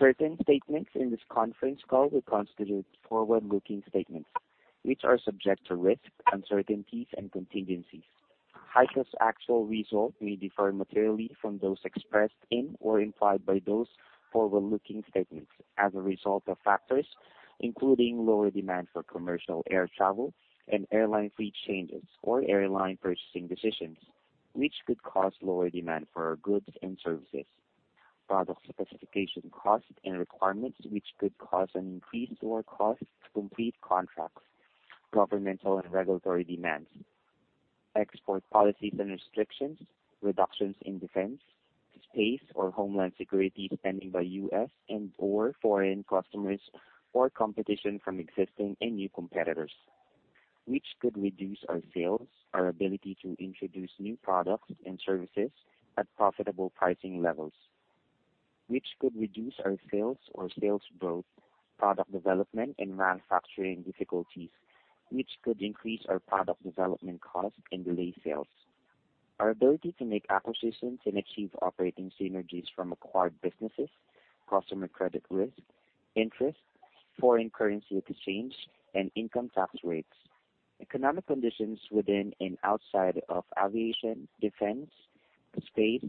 Certain statements in this conference call will constitute forward-looking statements, which are subject to risks, uncertainties, and contingencies. HEICO's actual results may differ materially from those expressed in or implied by those forward-looking statements as a result of factors including lower demand for commercial air travel and airline fleet changes or airline purchasing decisions, which could cause lower demand for our goods and services. Product specification costs and requirements, which could cause an increase to our cost to complete contracts, governmental and regulatory demands, export policies and restrictions, reductions in defense, space, or homeland security spending by U.S. and/or foreign customers, or competition from existing and new competitors, which could reduce our sales, our ability to introduce new products and services at profitable pricing levels, which could reduce our sales or sales growth, product development, and manufacturing difficulties, which could increase our product development costs and delay sales. Our ability to make acquisitions and achieve operating synergies from acquired businesses, customer credit risk, interest, foreign currency exchange, and income tax rates. Economic conditions within and outside of aviation, defense, space,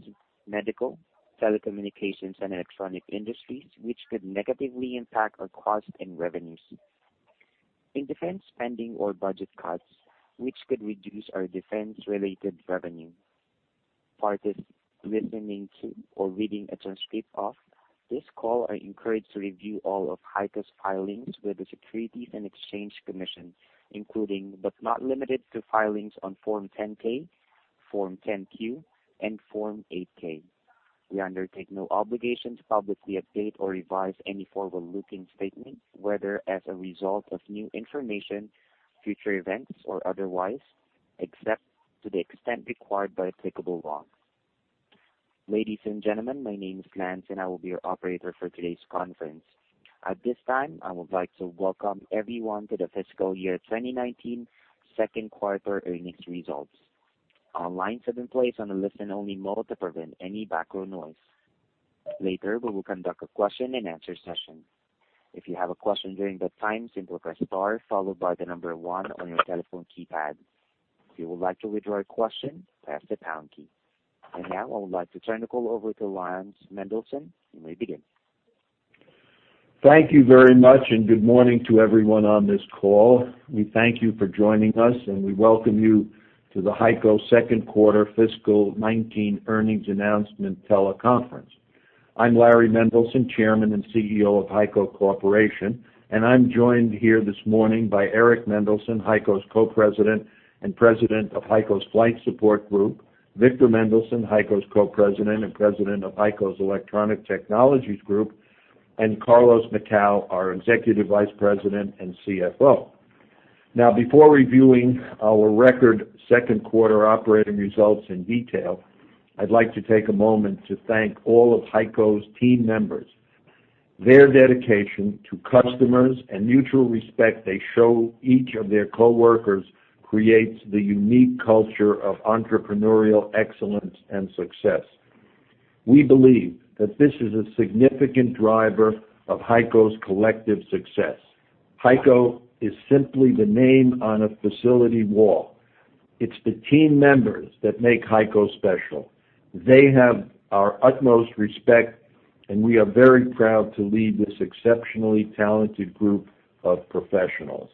medical, telecommunications, and electronic industries, which could negatively impact our costs and revenues. In defense spending or budget cuts, which could reduce our defense-related revenue. Parties listening to or reading a transcript of this call are encouraged to review all of HEICO's filings with the Securities and Exchange Commission, including but not limited to filings on Form 10-K, Form 10-Q, and Form 8-K. We undertake no obligation to publicly update or revise any forward-looking statements, whether as a result of new information, future events, or otherwise, except to the extent required by applicable law. Ladies and gentlemen, my name is Lance, and I will be your operator for today's conference. At this time, I would like to welcome everyone to the fiscal year 2019 second quarter earnings results. All lines have been placed on a listen-only mode to prevent any background noise. Later, we will conduct a question-and-answer session. If you have a question during that time, simply press star followed by the number one on your telephone keypad. If you would like to withdraw a question, press the pound key. Now, I would like to turn the call over to Laurans Mendelson. You may begin. Thank you very much, and good morning to everyone on this call. We thank you for joining us, and we welcome you to the HEICO second quarter fiscal 2019 earnings announcement teleconference. I'm Laurans Mendelson, Chairman and CEO of HEICO Corporation, and I'm joined here this morning by Eric Mendelson, HEICO's Co-President and President of HEICO's Flight Support Group, Victor Mendelson, HEICO's Co-President and President of HEICO's Electronic Technologies Group, and Carlos Macau, our Executive Vice President and CFO. Now, before reviewing our record second quarter operating results in detail, I'd like to take a moment to thank all of HEICO's team members. Their dedication to customers and mutual respect they show each of their coworkers creates the unique culture of entrepreneurial excellence and success. We believe that this is a significant driver of HEICO's collective success. HEICO is simply the name on a facility wall. It's the team members that make HEICO special. They have our utmost respect, and we are very proud to lead this exceptionally talented group of professionals.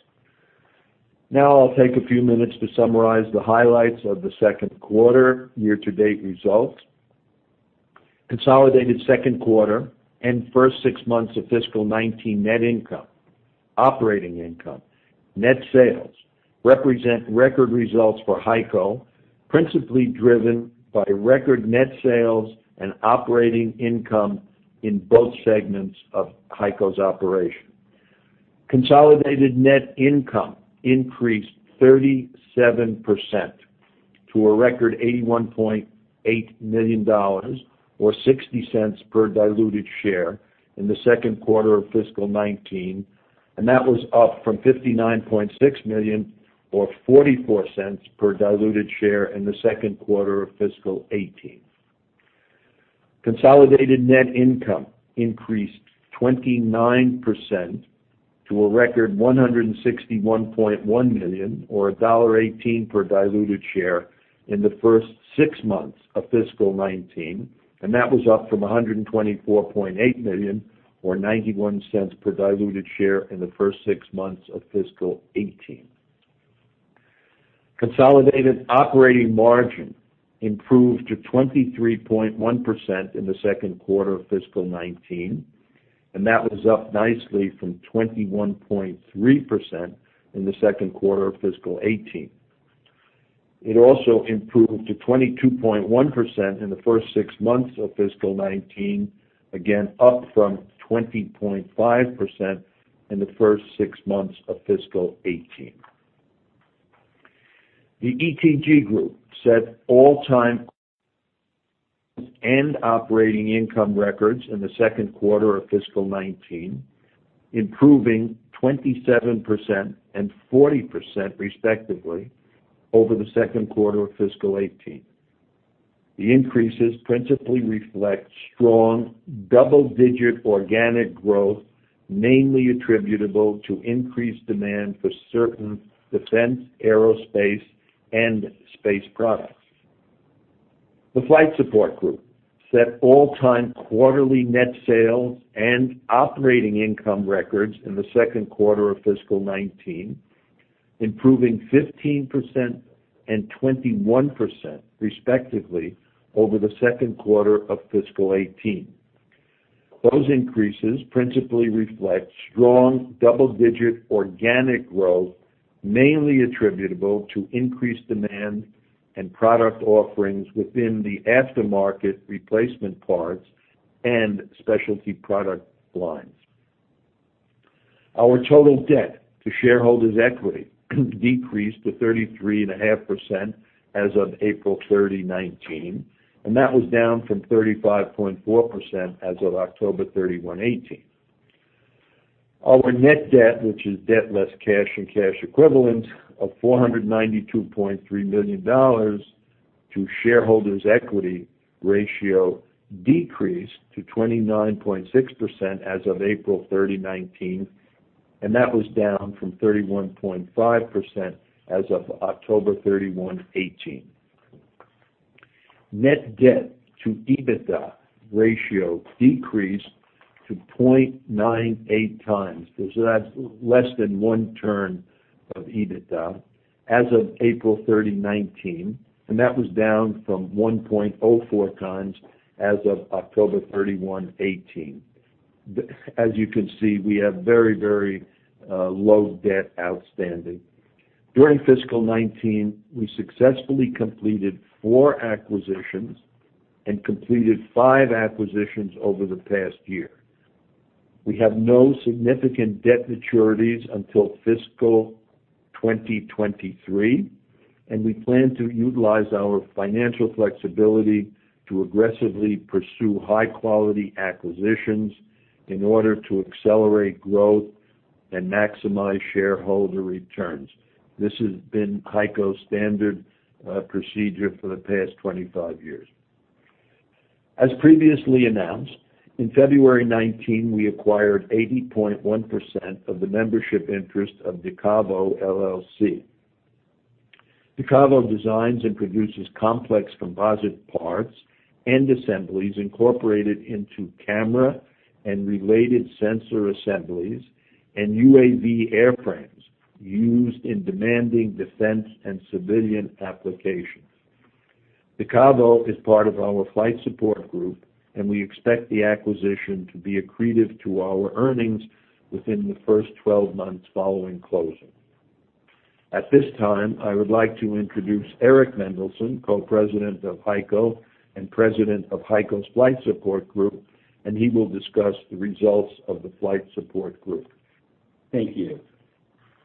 I'll take a few minutes to summarize the highlights of the second quarter year-to-date results. Consolidated second quarter and first six months of fiscal 2019 net income, operating income, net sales represent record results for HEICO, principally driven by record net sales and operating income in both segments of HEICO's operation. Consolidated net income increased 37% to a record $81.8 million, or $0.60 per diluted share in the second quarter of fiscal 2019, and that was up from $59.6 million or $0.44 per diluted share in the second quarter of fiscal 2018. Consolidated net income increased 29% to a record $161.1 million or $1.18 per diluted share in the first six months of fiscal 2019, and that was up from $124.8 million or $0.91 per diluted share in the first six months of fiscal 2018. Consolidated operating margin improved to 23.1% in the second quarter of fiscal 2019, and that was up nicely from 21.3% in the second quarter of fiscal 2018. It also improved to 22.1% in the first six months of fiscal 2019, again, up from 20.5% in the first six months of fiscal 2018. The ETG group set all-time and operating income records in the second quarter of fiscal 2019, improving 27% and 40%, respectively, over the second quarter of fiscal 2018. The increases principally reflect strong double-digit organic growth, mainly attributable to increased demand for certain defense, aerospace, and space products. The Flight Support Group set all-time quarterly net sales and operating income records in the second quarter of fiscal 2019, improving 15% and 21%, respectively, over the second quarter of fiscal 2018. Those increases principally reflect strong double-digit organic growth, mainly attributable to increased demand and product offerings within the aftermarket replacement parts and specialty product lines. Our total debt to shareholders' equity decreased to 33.5% as of April 30th, 2019, and that was down from 35.4% as of October 31st, 2018. Our net debt, which is debt less cash and cash equivalents of $492.3 million to shareholders' equity ratio decreased to 29.6% as of April 30th, 2019, and that was down from 31.5% as of October 31st, 2018. Net debt to EBITDA ratio decreased to 0.98 times, so that's less than one turn of EBITDA, as of April 30th, 2019, and that was down from 1.04 times as of October 31st, 2018. You can see, we have very low debt outstanding. During fiscal 2019, we successfully completed four acquisitions and completed five acquisitions over the past year. We have no significant debt maturities until fiscal 2023, and we plan to utilize our financial flexibility to aggressively pursue high-quality acquisitions in order to accelerate growth and maximize shareholder returns. This has been HEICO's standard procedure for the past 25 years. As previously announced, in February 2019, we acquired 80.1% of the membership interest of Dekavo LLC. Dekavo designs and produces complex composite parts and assemblies incorporated into camera and related sensor assemblies and UAV airframes used in demanding defense and civilian applications. Dekavo is part of our Flight Support Group. We expect the acquisition to be accretive to our earnings within the first 12 months following closing. At this time, I would like to introduce Eric A. Mendelson, Co-President of HEICO and President of HEICO's Flight Support Group. He will discuss the results of the Flight Support Group. Thank you.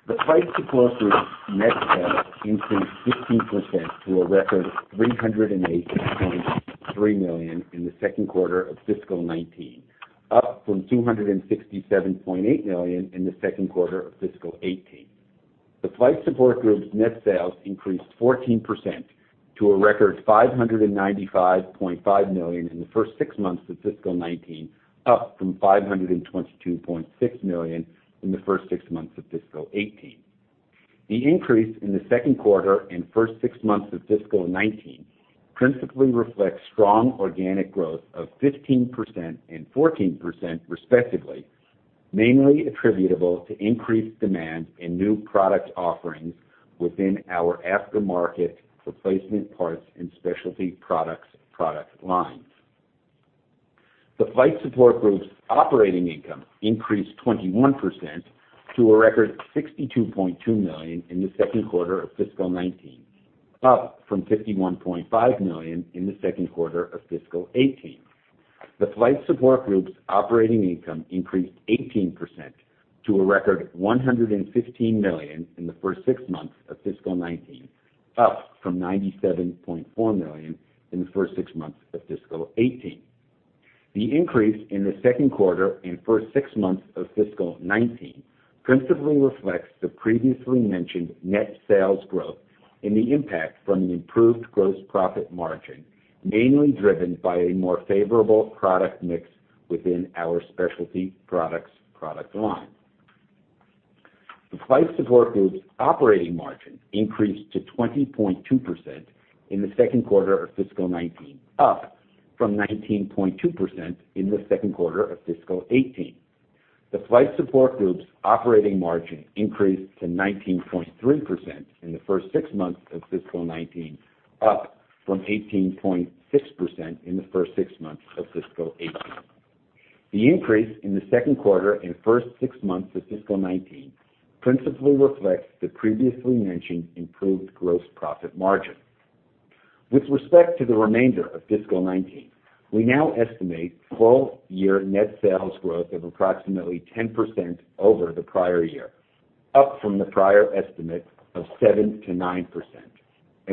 The Flight Support Group's net sales increased 15% to a record $308.3 million in the second quarter of fiscal 2019, up from $267.8 million in the second quarter of fiscal 2018. The Flight Support Group's net sales increased 14% to a record $595.5 million in the first six months of fiscal 2019, up from $522.6 million in the first six months of fiscal 2018. The increase in the second quarter and first six months of fiscal 2019 principally reflects strong organic growth of 15% and 14%, respectively, mainly attributable to increased demand and new product offerings within our aftermarket replacement parts and specialty products product lines. The Flight Support Group's operating income increased 21% to a record $62.2 million in the second quarter of fiscal 2019, up from $51.5 million in the second quarter of fiscal 2018. The Flight Support Group's operating income increased 18% to a record $115 million in the first six months of fiscal 2019, up from $97.4 million in the first six months of fiscal 2018. The increase in the second quarter and first six months of fiscal 2019 principally reflects the previously mentioned net sales growth and the impact from the improved gross profit margin, mainly driven by a more favorable product mix within our specialty products product line. The Flight Support Group's operating margin increased to 20.2% in the second quarter of fiscal 2019, up from 19.2% in the second quarter of fiscal 2018. The Flight Support Group's operating margin increased to 19.3% in the first six months of fiscal 2019, up from 18.6% in the first six months of fiscal 2018. The increase in the second quarter and first six months of fiscal 2019 principally reflects the previously mentioned improved gross profit margin. With respect to the remainder of fiscal 2019, we now estimate full-year net sales growth of approximately 10% over the prior year, up from the prior estimate of 7%-9%.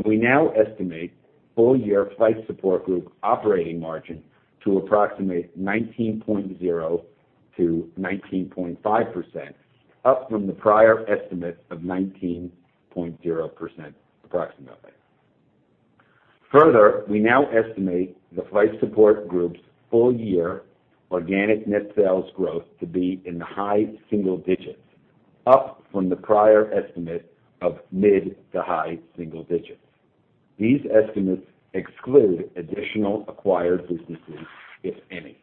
We now estimate full year Flight Support Group operating margin to approximate 19.0%-19.5%, up from the prior estimate of 19.0% approximately. Further, we now estimate the Flight Support Group's full year organic net sales growth to be in the high single digits, up from the prior estimate of mid to high single digits. These estimates exclude additional acquired businesses, if any.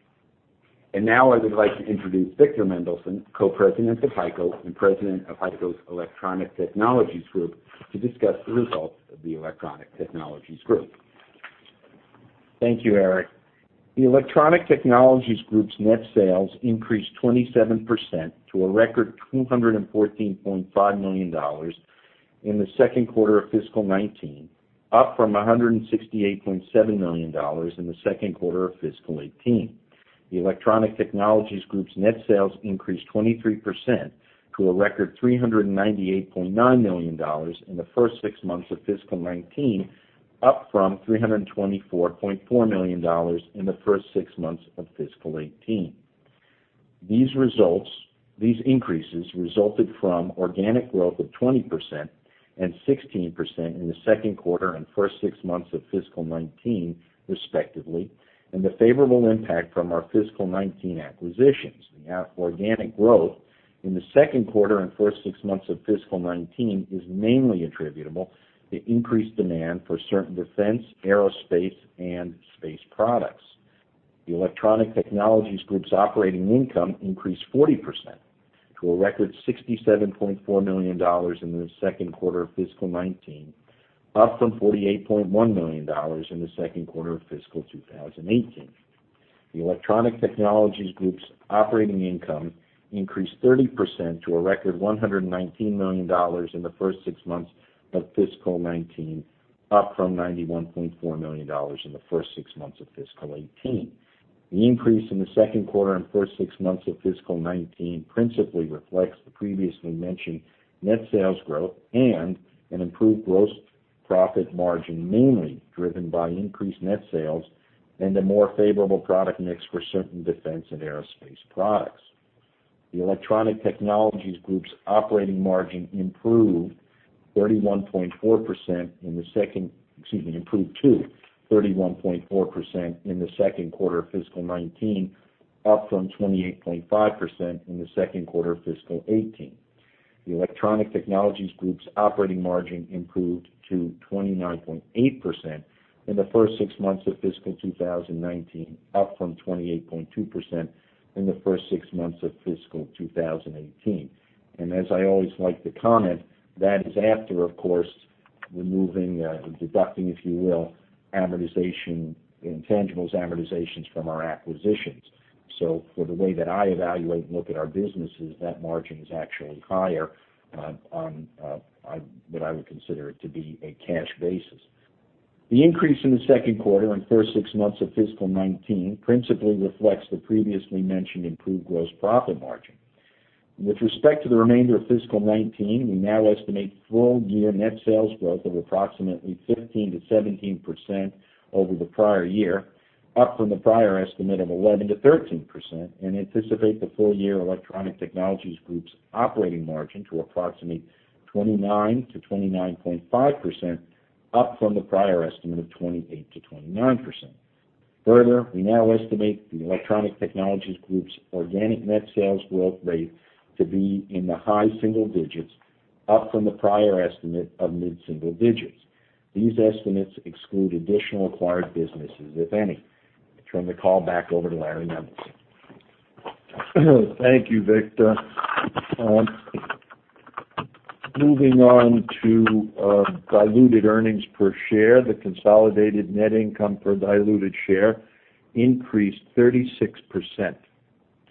Now I would like to introduce Victor H. Mendelson, Co-President of HEICO and President of HEICO's Electronic Technologies Group, to discuss the results of the Electronic Technologies Group. Thank you, Eric. The Electronic Technologies Group's net sales increased 27% to a record $214.5 million in the second quarter of fiscal 2019, up from $168.7 million in the second quarter of fiscal 2018. The Electronic Technologies Group's net sales increased 23% to a record $398.9 million in the first six months of fiscal 2019, up from $324.4 million in the first six months of fiscal 2018. These increases resulted from organic growth of 20% and 16% in the second quarter and first six months of fiscal 2019 respectively, and the favorable impact from our fiscal 2019 acquisitions. The organic growth in the second quarter and first six months of fiscal 2019 is mainly attributable to increased demand for certain defense, aerospace, and space products. The Electronic Technologies Group's operating income increased 40% to a record $67.4 million in the second quarter of fiscal 2019, up from $48.1 million in the second quarter of fiscal 2018. The Electronic Technologies Group's operating income increased 30% to a record $119 million in the first six months of fiscal 2019, up from $91.4 million in the first six months of fiscal 2018. The increase in the second quarter and first six months of fiscal 2019 principally reflects the previously mentioned net sales growth and an improved gross profit margin, mainly driven by increased net sales and a more favorable product mix for certain defense and aerospace products. The Electronic Technologies Group's operating margin improved to 31.4% in the second quarter of fiscal 2019, up from 28.5% in the second quarter of fiscal 2018. The Electronic Technologies Group's operating margin improved to 29.8% in the first six months of fiscal 2019, up from 28.2% in the first six months of fiscal 2018. As I always like to comment, that is after, of course, removing or deducting, if you will, intangibles amortizations from our acquisitions. For the way that I evaluate and look at our businesses, that margin is actually higher on what I would consider to be a cash basis. The increase in the second quarter and first six months of fiscal 2019 principally reflects the previously mentioned improved gross profit margin. With respect to the remainder of fiscal 2019, we now estimate full-year net sales growth of approximately 15%-17% over the prior year, up from the prior estimate of 11%-13%, and anticipate the full-year Electronic Technologies Group's operating margin to approximate 29%-29.5%, up from the prior estimate of 28%-29%. We now estimate the Electronic Technologies Group's organic net sales growth rate to be in the high single digits, up from the prior estimate of mid-single digits. These estimates exclude additional acquired businesses, if any. I turn the call back over to Larry Mendelson. Thank you, Victor. Moving on to diluted earnings per share. The consolidated net income per diluted share increased 36% to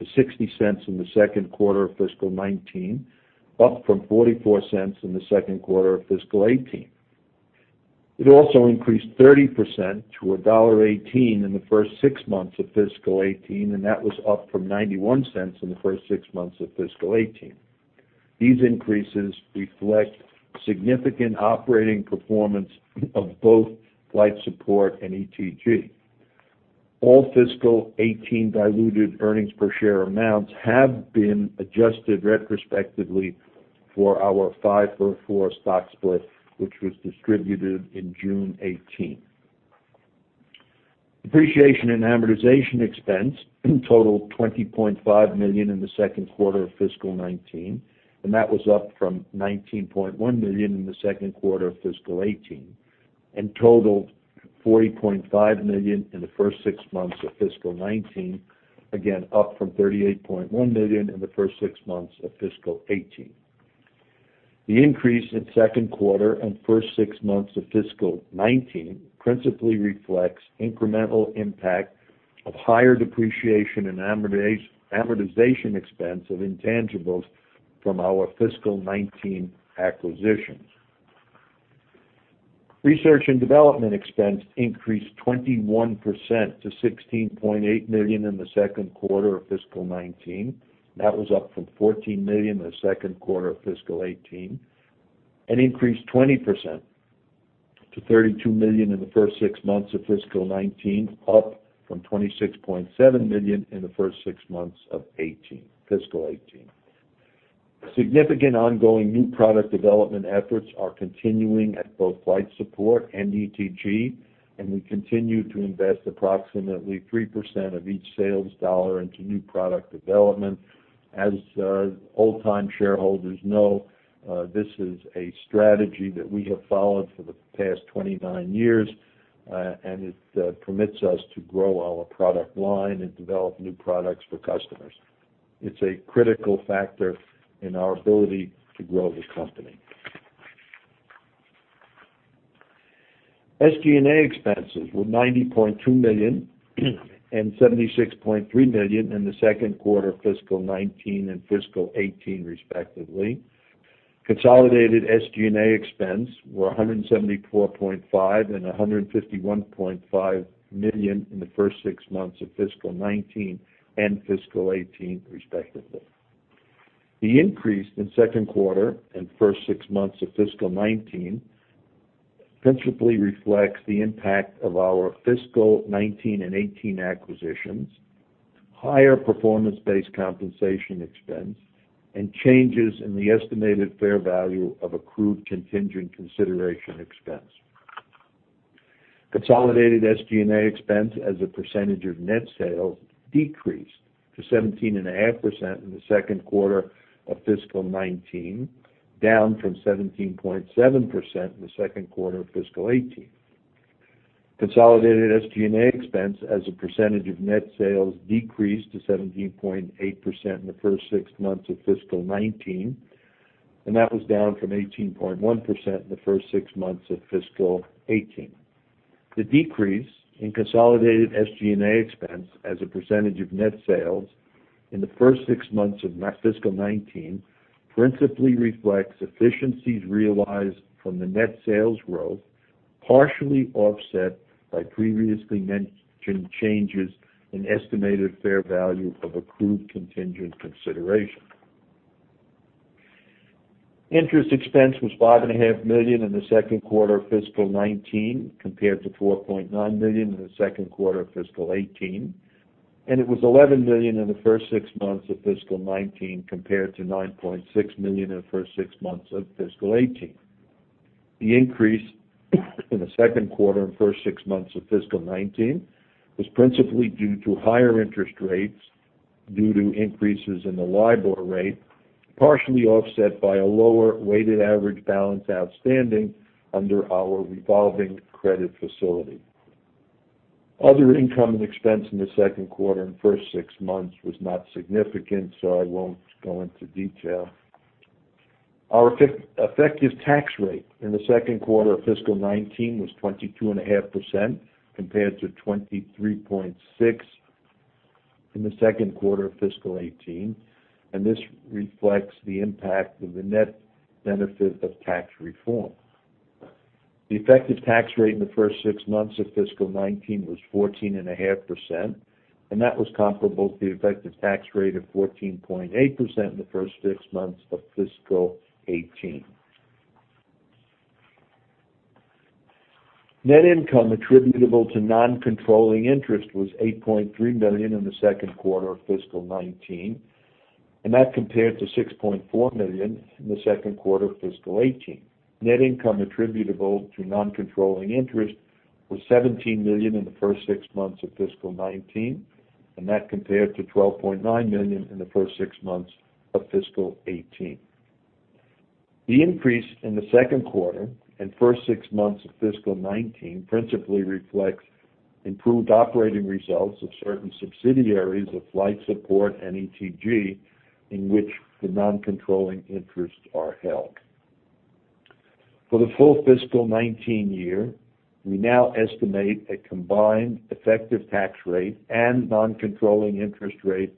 $0.60 in the second quarter of fiscal 2019, up from $0.44 in the second quarter of fiscal 2018. It also increased 30% to $1.18 in the first six months of fiscal 2018, and that was up from $0.91 in the first six months of fiscal 2018. These increases reflect significant operating performance of both Flight Support and ETG. All fiscal 2018 diluted earnings per share amounts have been adjusted retrospectively for our five-for-four stock split, which was distributed in June 2018. Depreciation and amortization expense totaled $20.5 million in the second quarter of fiscal 2019, and that was up from $19.1 million in the second quarter of fiscal 2018, and totaled $40.5 million in the first six months of fiscal 2019, again, up from $38.1 million in the first six months of fiscal 2018. The increase in second quarter and first six months of fiscal 2019 principally reflects incremental impact of higher depreciation and amortization expense of intangibles from our fiscal 2019 acquisitions. Research and development expense increased 21% to $16.8 million in the second quarter of fiscal 2019. That was up from $14 million in the second quarter of fiscal 2018, and increased 20% To $32 million in the first six months of fiscal 2019, up from $26.7 million in the first six months of fiscal 2018. Significant ongoing new product development efforts are continuing at both Flight Support and ETG, and we continue to invest approximately 3% of each sales dollar into new product development. As old-time shareholders know, this is a strategy that we have followed for the past 29 years, and it permits us to grow our product line and develop new products for customers. It's a critical factor in our ability to grow the company. SG&A expenses were $90.2 million and $76.3 million in the second quarter of fiscal 2019 and fiscal 2018, respectively. Consolidated SG&A expense were $174.5 million and $151.5 million in the first six months of fiscal 2019 and fiscal 2018, respectively. The increase in second quarter and first six months of fiscal 2019 principally reflects the impact of our fiscal 2019 and 2018 acquisitions, higher performance-based compensation expense, and changes in the estimated fair value of accrued contingent consideration expense. Consolidated SG&A expense as a percentage of net sales decreased to 17.5% in the second quarter of fiscal 2019, down from 17.7% in the second quarter of fiscal 2018. Consolidated SG&A expense as a percentage of net sales decreased to 17.8% in the first six months of fiscal 2019, and that was down from 18.1% in the first six months of fiscal 2018. The decrease in consolidated SG&A expense as a percentage of net sales in the first six months of fiscal 2019 principally reflects efficiencies realized from the net sales growth, partially offset by previously mentioned changes in estimated fair value of accrued contingent consideration. Interest expense was $5.5 million in the second quarter of fiscal 2019, compared to $4.9 million in the second quarter of fiscal 2018, and it was $11 million in the first six months of fiscal 2019, compared to $9.6 million in the first six months of fiscal 2018. The increase in the second quarter and first six months of fiscal 2019 was principally due to higher interest rates due to increases in the LIBOR rate, partially offset by a lower weighted average balance outstanding under our revolving credit facility. Other income and expense in the second quarter and first six months was not significant. I won't go into detail. Our effective tax rate in the second quarter of fiscal 2019 was 22.5%, compared to 23.6% in the second quarter of fiscal 2018. This reflects the impact of the net benefit of tax reform. The effective tax rate in the first six months of fiscal 2019 was 14.5%. That was comparable to the effective tax rate of 14.8% in the first six months of fiscal 2018. Net income attributable to non-controlling interest was $8.3 million in the second quarter of fiscal 2019. That compared to $6.4 million in the second quarter of fiscal 2018. Net income attributable to non-controlling interest was $17 million in the first six months of fiscal 2019. That compared to $12.9 million in the first six months of fiscal 2018. The increase in the second quarter and first six months of fiscal 2019 principally reflects improved operating results of certain subsidiaries of Flight Support and ETG, in which the non-controlling interests are held. For the full fiscal 2019 year, we now estimate a combined effective tax rate and non-controlling interest rate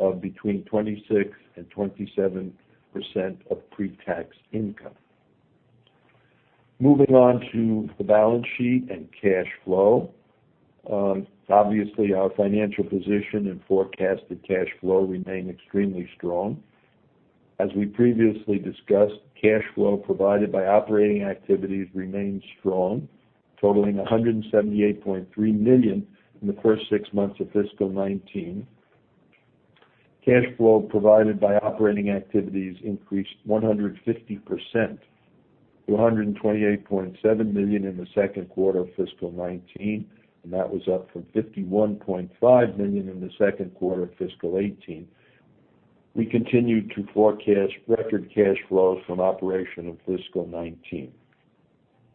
of between 26% and 27% of pre-tax income. Moving on to the balance sheet and cash flow. Obviously, our financial position and forecasted cash flow remain extremely strong. As we previously discussed, cash flow provided by operating activities remains strong, totaling $178.3 million in the first six months of fiscal 2019. Cash flow provided by operating activities increased 150% to $128.7 million in the second quarter of fiscal 2019. That was up from $51.5 million in the second quarter of fiscal 2018. We continue to forecast record cash flows from operation in fiscal 2019.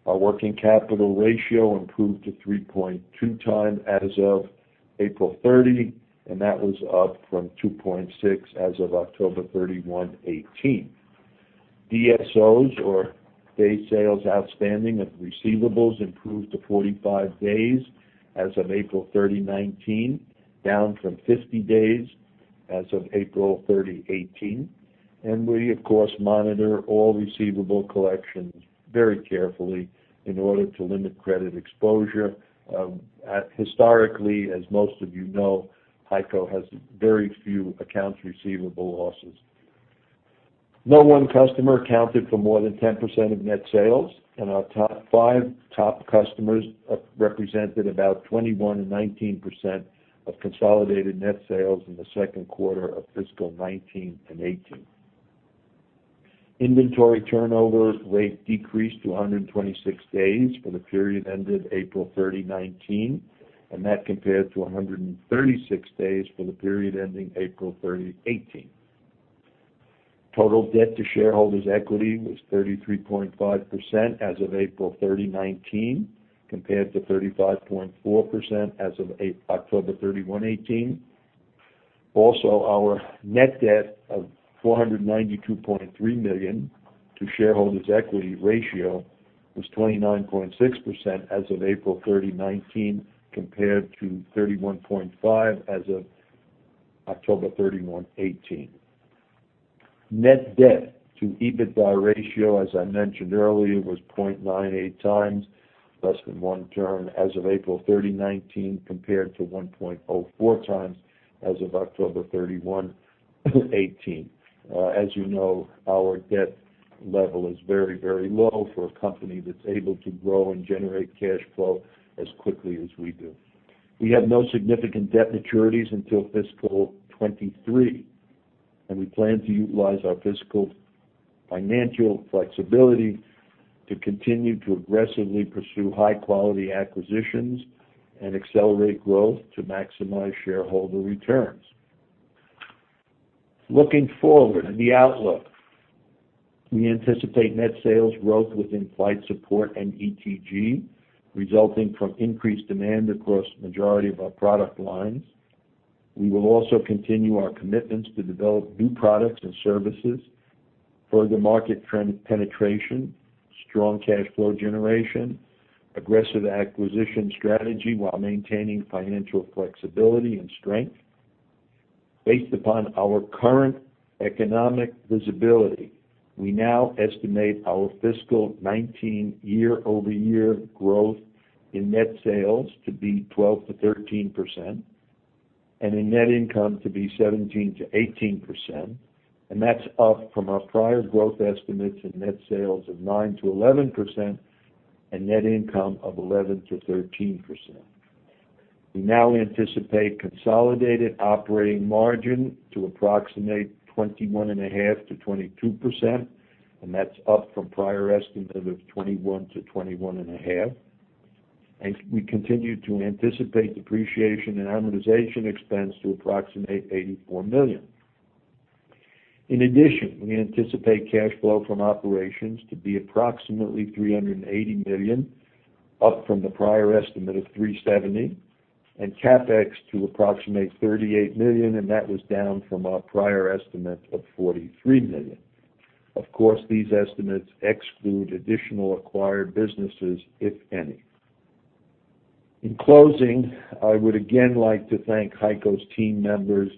Our working capital ratio improved to 3.2x as of April 30. That was up from 2.6x as of October 31, 2018. DSOs, or Days Sales Outstanding of receivables, improved to 45 days as of April 30, 2019, down from 50 days as of April 30, 2018. We of course, monitor all receivable collections very carefully in order to limit credit exposure. Historically, as most of you know, HEICO has very few accounts receivable losses. No one customer accounted for more than 10% of net sales. Our top five top customers represented about 21% and 19% of consolidated net sales in the second quarter of fiscal 2019 and 2018. Inventory turnover rate decreased to 126 days for the period ended April 30, 2019. That compared to 136 days for the period ending April 30, 2018. Total debt to shareholders' equity was 33.5% as of April 30, 2019, compared to 35.4% as of October 31, 2018. Our net debt of $492.3 million to shareholders' equity ratio was 29.6% as of April 30, 2019, compared to 31.5% as of October 31, 2018. Net debt to EBITDA ratio, as I mentioned earlier, was 0.98 times, less than one turn as of April 30, 2019, compared to 1.04 times as of October 31, 2018. As you know, our debt level is very low for a company that's able to grow and generate cash flow as quickly as we do. We have no significant debt maturities until fiscal 2023, and we plan to utilize our fiscal financial flexibility to continue to aggressively pursue high-quality acquisitions and accelerate growth to maximize shareholder returns. Looking forward at the outlook, we anticipate net sales growth within Flight Support and ETG, resulting from increased demand across majority of our product lines. We will also continue our commitments to develop new products and services, further market trend penetration, strong cash flow generation, aggressive acquisition strategy while maintaining financial flexibility and strength. Based upon our current economic visibility, we now estimate our fiscal 2019 year-over-year growth in net sales to be 12%-13%, and in net income to be 17%-18%, and that's up from our prior growth estimates in net sales of 9%-11% and net income of 11%-13%. We now anticipate consolidated operating margin to approximate 21.5%-22%, and that's up from prior estimate of 21%-21.5%. We continue to anticipate depreciation and amortization expense to approximate $84 million. In addition, we anticipate cash flow from operations to be approximately $380 million, up from the prior estimate of $370 million, and CapEx to approximate $38 million, and that was down from our prior estimate of $43 million. Of course, these estimates exclude additional acquired businesses, if any. In closing, I would again like to thank HEICO's team members.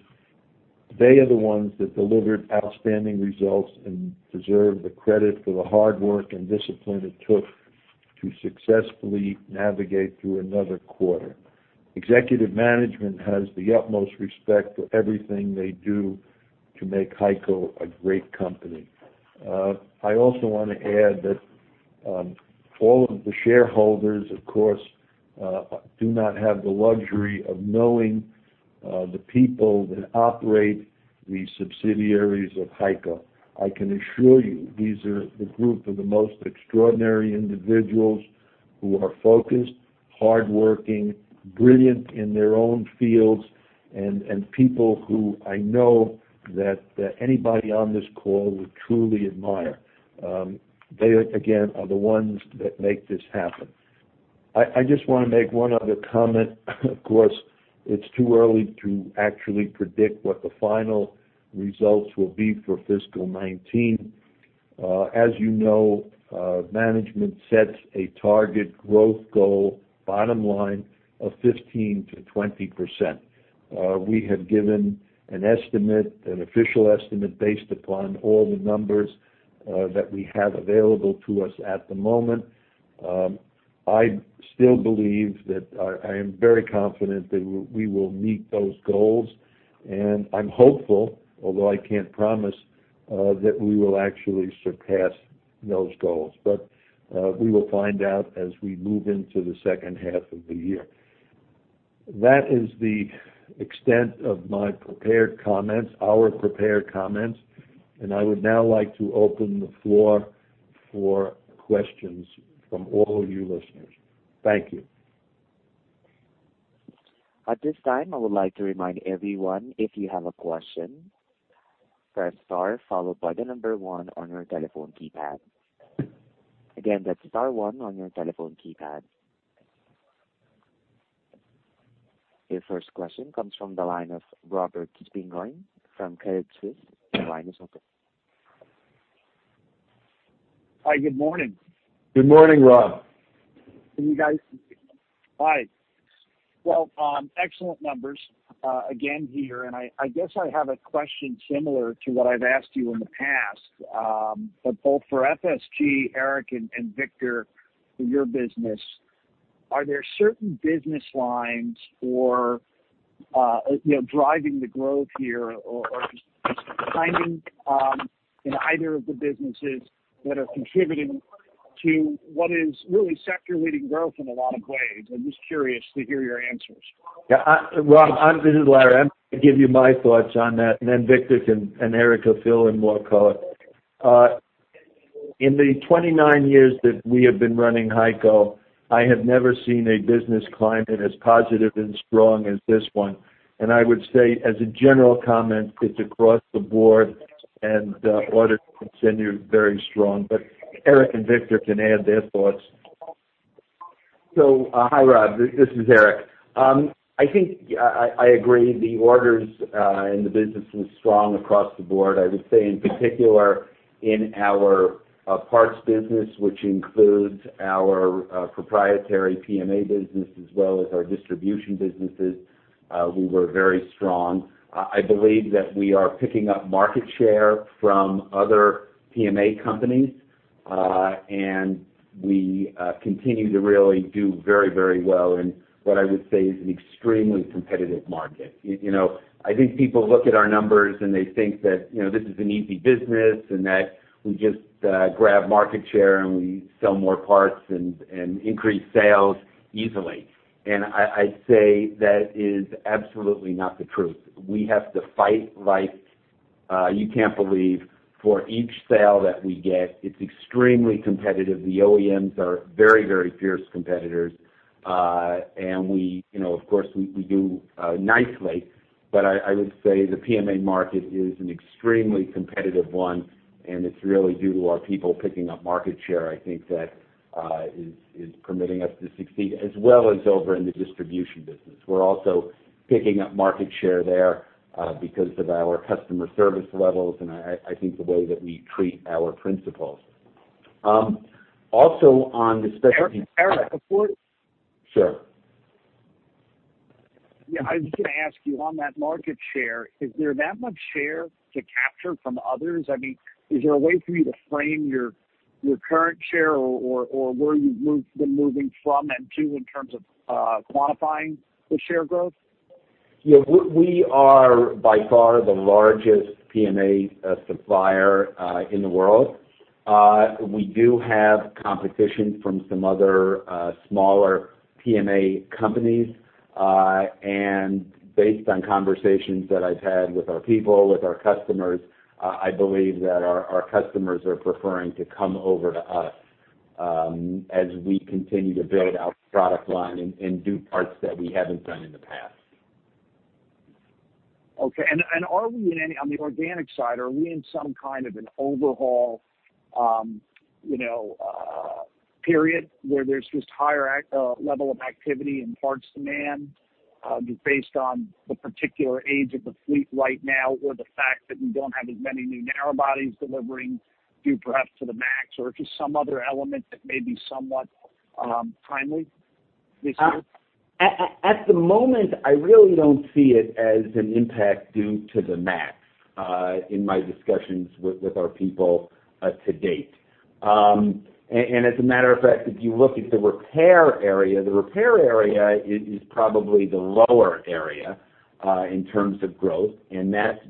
They are the ones that delivered outstanding results and deserve the credit for the hard work and discipline it took to successfully navigate through another quarter. Executive management has the utmost respect for everything they do to make HEICO a great company. I also want to add that all of the shareholders, of course, do not have the luxury of knowing the people that operate the subsidiaries of HEICO. I can assure you, these are the group of the most extraordinary individuals who are focused, hardworking, brilliant in their own fields, and people who I know that anybody on this call would truly admire. They, again, are the ones that make this happen. I just want to make one other comment. Of course, it's too early to actually predict what the final results will be for fiscal 2019. As you know, management sets a target growth goal bottom line of 15%-20%. We have given an official estimate based upon all the numbers that we have available to us at the moment. I still believe that I am very confident that we will meet those goals, and I'm hopeful, although I can't promise, that we will actually surpass those goals. We will find out as we move into the second half of the year. That is the extent of my prepared comments, our prepared comments. I would now like to open the floor for questions from all of you listeners. Thank you. At this time, I would like to remind everyone if you have a question, press star, followed by the number one on your telephone keypad. Again, that's star one on your telephone keypad. Your first question comes from the line of Robert Spingarn from Credit Suisse. Your line is open. Hi, good morning. Good morning, Rob. hi. Well, excellent numbers again here. I guess I have a question similar to what I've asked you in the past. Both for FSG, Eric, and Victor, for your business, are there certain business lines driving the growth here, or just timing in either of the businesses that are contributing to what is really sector-leading growth in a lot of ways? I'm just curious to hear your answers. Yeah. Rob, this is Larry. I'm going to give you my thoughts on that, then Victor and Eric will fill in more color. In the 29 years that we have been running HEICO, I have never seen a business climate as positive and strong as this one. I would say, as a general comment, it's across the board, and orders continue very strong. Eric and Victor can add their thoughts. hi Rob, this is Eric. I think I agree. The orders in the business are strong across the board. I would say, in particular, in our parts business, which includes our proprietary PMA business as well as our distribution businesses, we were very strong. I believe that we are picking up market share from other PMA companies, and we continue to really do very well in what I would say is an extremely competitive market. I think people look at our numbers, and they think that this is an easy business, and that we just grab market share, and we sell more parts and increase sales easily. I'd say that is absolutely not the truth. We have to fight like you can't believe for each sale that we get. It's extremely competitive. The OEMs are very fierce competitors. Of course, we do nicely, but I would say the PMA market is an extremely competitive one, and it's really due to our people picking up market share, I think that is permitting us to succeed, as well as over in the distribution business. We're also picking up market share there because of our customer service levels and I think the way that we treat our principals. Eric, Sure. Yeah, I was just going to ask you, on that market share, is there that much share to capture from others? Is there a way for you to frame your current share or where you've been moving from and to in terms of quantifying the share growth? Yeah. We are, by far, the largest PMA supplier in the world. We do have competition from some other smaller PMA companies. Based on conversations that I've had with our people, with our customers, I believe that our customers are preferring to come over to us as we continue to build our product line and do parts that we haven't done in the past. Okay. On the organic side, are we in some kind of an overhaul period where there's just higher level of activity in parts demand, based on the particular age of the fleet right now, or the fact that we don't have as many new narrow bodies delivering due perhaps to the MAX, or just some other element that may be somewhat timely this year? At the moment, I really don't see it as an impact due to the MAX, in my discussions with our people to date. As a matter of fact, if you look at the repair area, the repair area is probably the lower area in terms of growth, and that's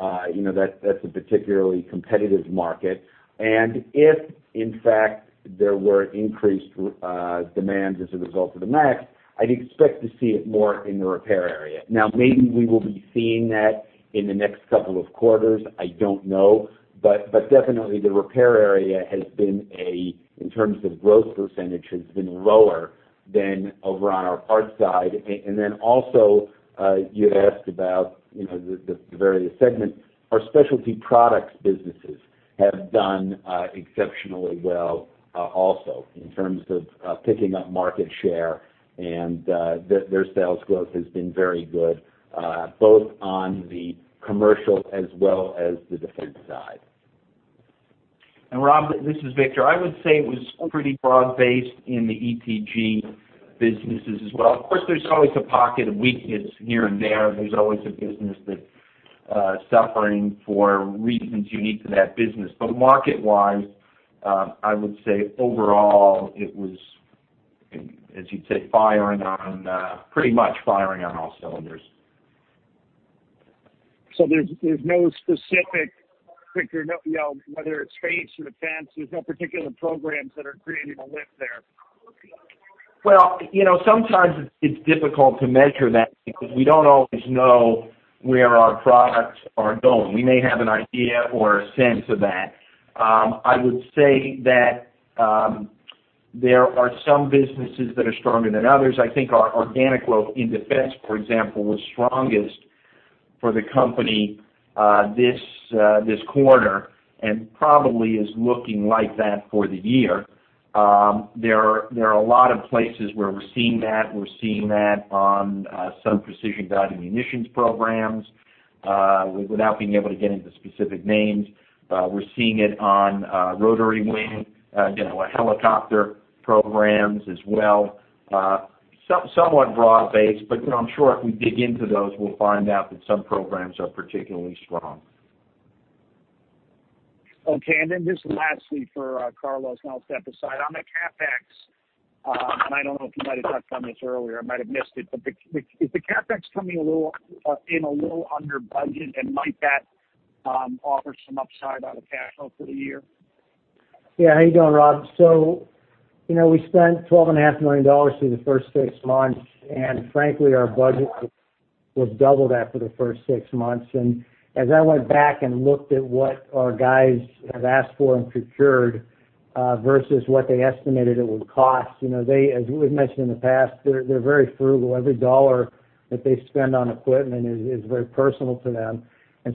a particularly competitive market. If, in fact, there were increased demands as a result of the MAX, I'd expect to see it more in the repair area. Maybe we will be seeing that in the next couple of quarters, I don't know. Definitely, the repair area has been a, in terms of growth percentage, has been lower than over on our parts side. Also, you had asked about the various segments. Our specialty products businesses have done exceptionally well also in terms of picking up market share, their sales growth has been very good, both on the commercial as well as the defense side. Rob, this is Victor. I would say it was pretty broad-based in the ETG businesses as well. Of course, there's always a pocket of weakness here and there. There's always a business that's suffering for reasons unique to that business. Market-wise, I would say, overall, it was, as you'd say, pretty much firing on all cylinders. There's no specific, Victor, whether it's space or defense, there's no particular programs that are creating a lift there? Well, sometimes it's difficult to measure that because we don't always know where our products are going. We may have an idea or a sense of that. I would say that there are some businesses that are stronger than others. I think our organic growth in defense, for example, was strongest for the company this quarter and probably is looking like that for the year. There are a lot of places where we're seeing that. We're seeing that on some precision-guided munitions programs, without being able to get into specific names. We're seeing it on rotary wing, helicopter programs as well. Somewhat broad based, but I'm sure if we dig into those, we'll find out that some programs are particularly strong. Okay. Just lastly for Carlos, I'll step aside. On the CapEx, I don't know if you might have touched on this earlier, I might have missed it, but is the CapEx coming in a little under budget, and might that offer some upside on the cash flow for the year? Yeah. How you doing, Rob? We spent $12.5 million through the first six months, and frankly, our budget was double that for the first six months. As I went back and looked at what our guys have asked for and procured, versus what they estimated it would cost, as we've mentioned in the past, they're very frugal. Every dollar that they spend on equipment is very personal to them.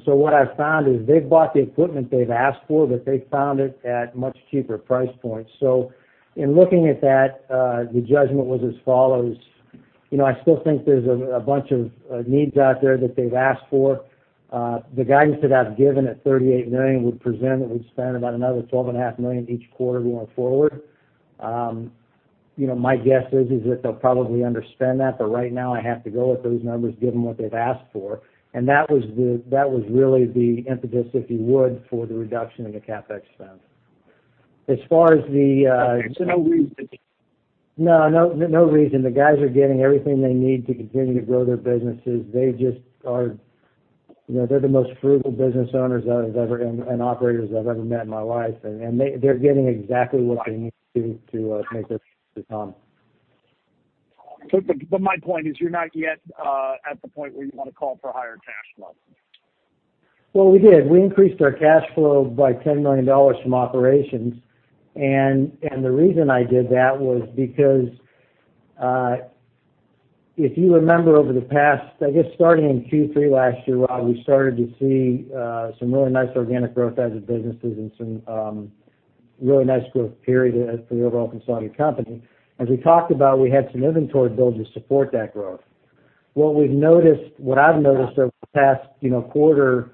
What I've found is they've bought the equipment they've asked for, but they found it at much cheaper price points. In looking at that, the judgment was as follows. I still think there's a bunch of needs out there that they've asked for. The guidance that I've given at $38 million would present that we'd spend about another $12.5 million each quarter going forward. My guess is that they'll probably underspend that, but right now I have to go with those numbers, given what they've asked for. That was really the impetus, if you would, for the reduction in the CapEx spend. Okay. No reason. No, no reason. The guys are getting everything they need to continue to grow their businesses. They're the most frugal business owners and operators I've ever met in my life, and they're getting exactly what they need to make this work. My point is, you're not yet at the point where you want to call for higher cash flow. Well, we did. We increased our cash flow by $10 million from operations, and the reason I did that was because, if you remember over the past, I guess, starting in Q3 last year, Rob, we started to see some really nice organic growth out of the businesses and some really nice growth period for the overall consolidated company. As we talked about, we had some inventory build to support that growth. What I've noticed over the past quarter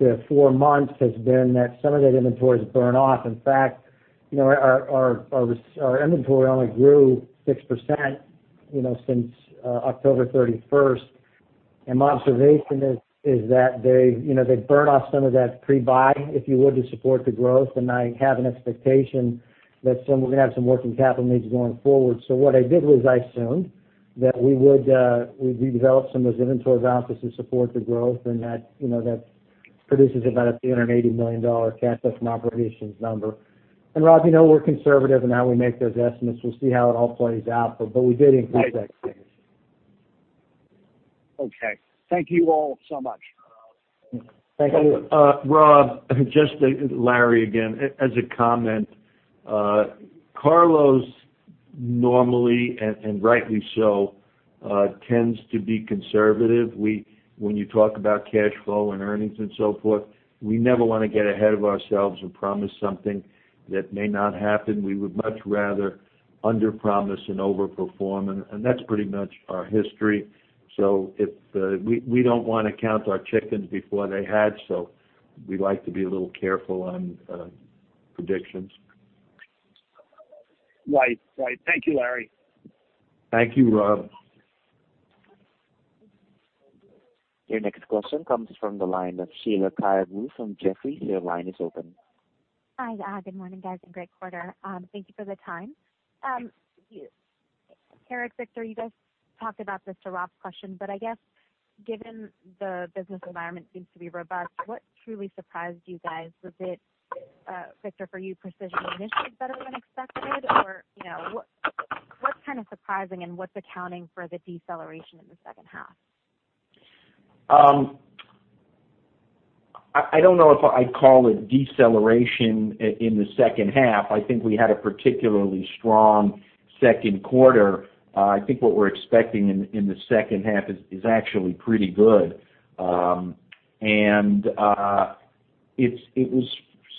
to four months has been that some of that inventory's burned off. In fact, our inventory only grew 6% since October 31st. My observation is that they burned off some of that pre-buy, if you would, to support the growth, and I have an expectation that we're going to have some working capital needs going forward. What I did was I assumed that we would redevelop some of those inventories out to support the growth, and that produces about a $380 million cash from operations number. Rob, you know we're conservative in how we make those estimates. We'll see how it all plays out, we did increase that. Okay. Thank you all so much. Thank you. Rob, just Larry again. As a comment, Carlos normally, and rightly so, tends to be conservative. When you talk about cash flow and earnings and so forth, we never want to get ahead of ourselves and promise something that may not happen. We would much rather underpromise and overperform, and that's pretty much our history. We don't want to count our chickens before they hatch, so we like to be a little careful on predictions. Right. Thank you, Larry. Thank you, Rob. Your next question comes from the line of Sheila Kahyaoglu from Jefferies. Your line is open. Hi. Good morning, guys, and great quarter. Thank you for the time. Eric, Victor, you guys talked about this to Rob's question, I guess given the business environment seems to be robust, what truly surprised you guys? Was it, Victor, for you, Precision Munitions better than expected? Or what's kind of surprising and what's accounting for the deceleration in the second half? I don't know if I'd call it deceleration in the second half. I think we had a particularly strong second quarter. I think what we're expecting in the second half is actually pretty good. It was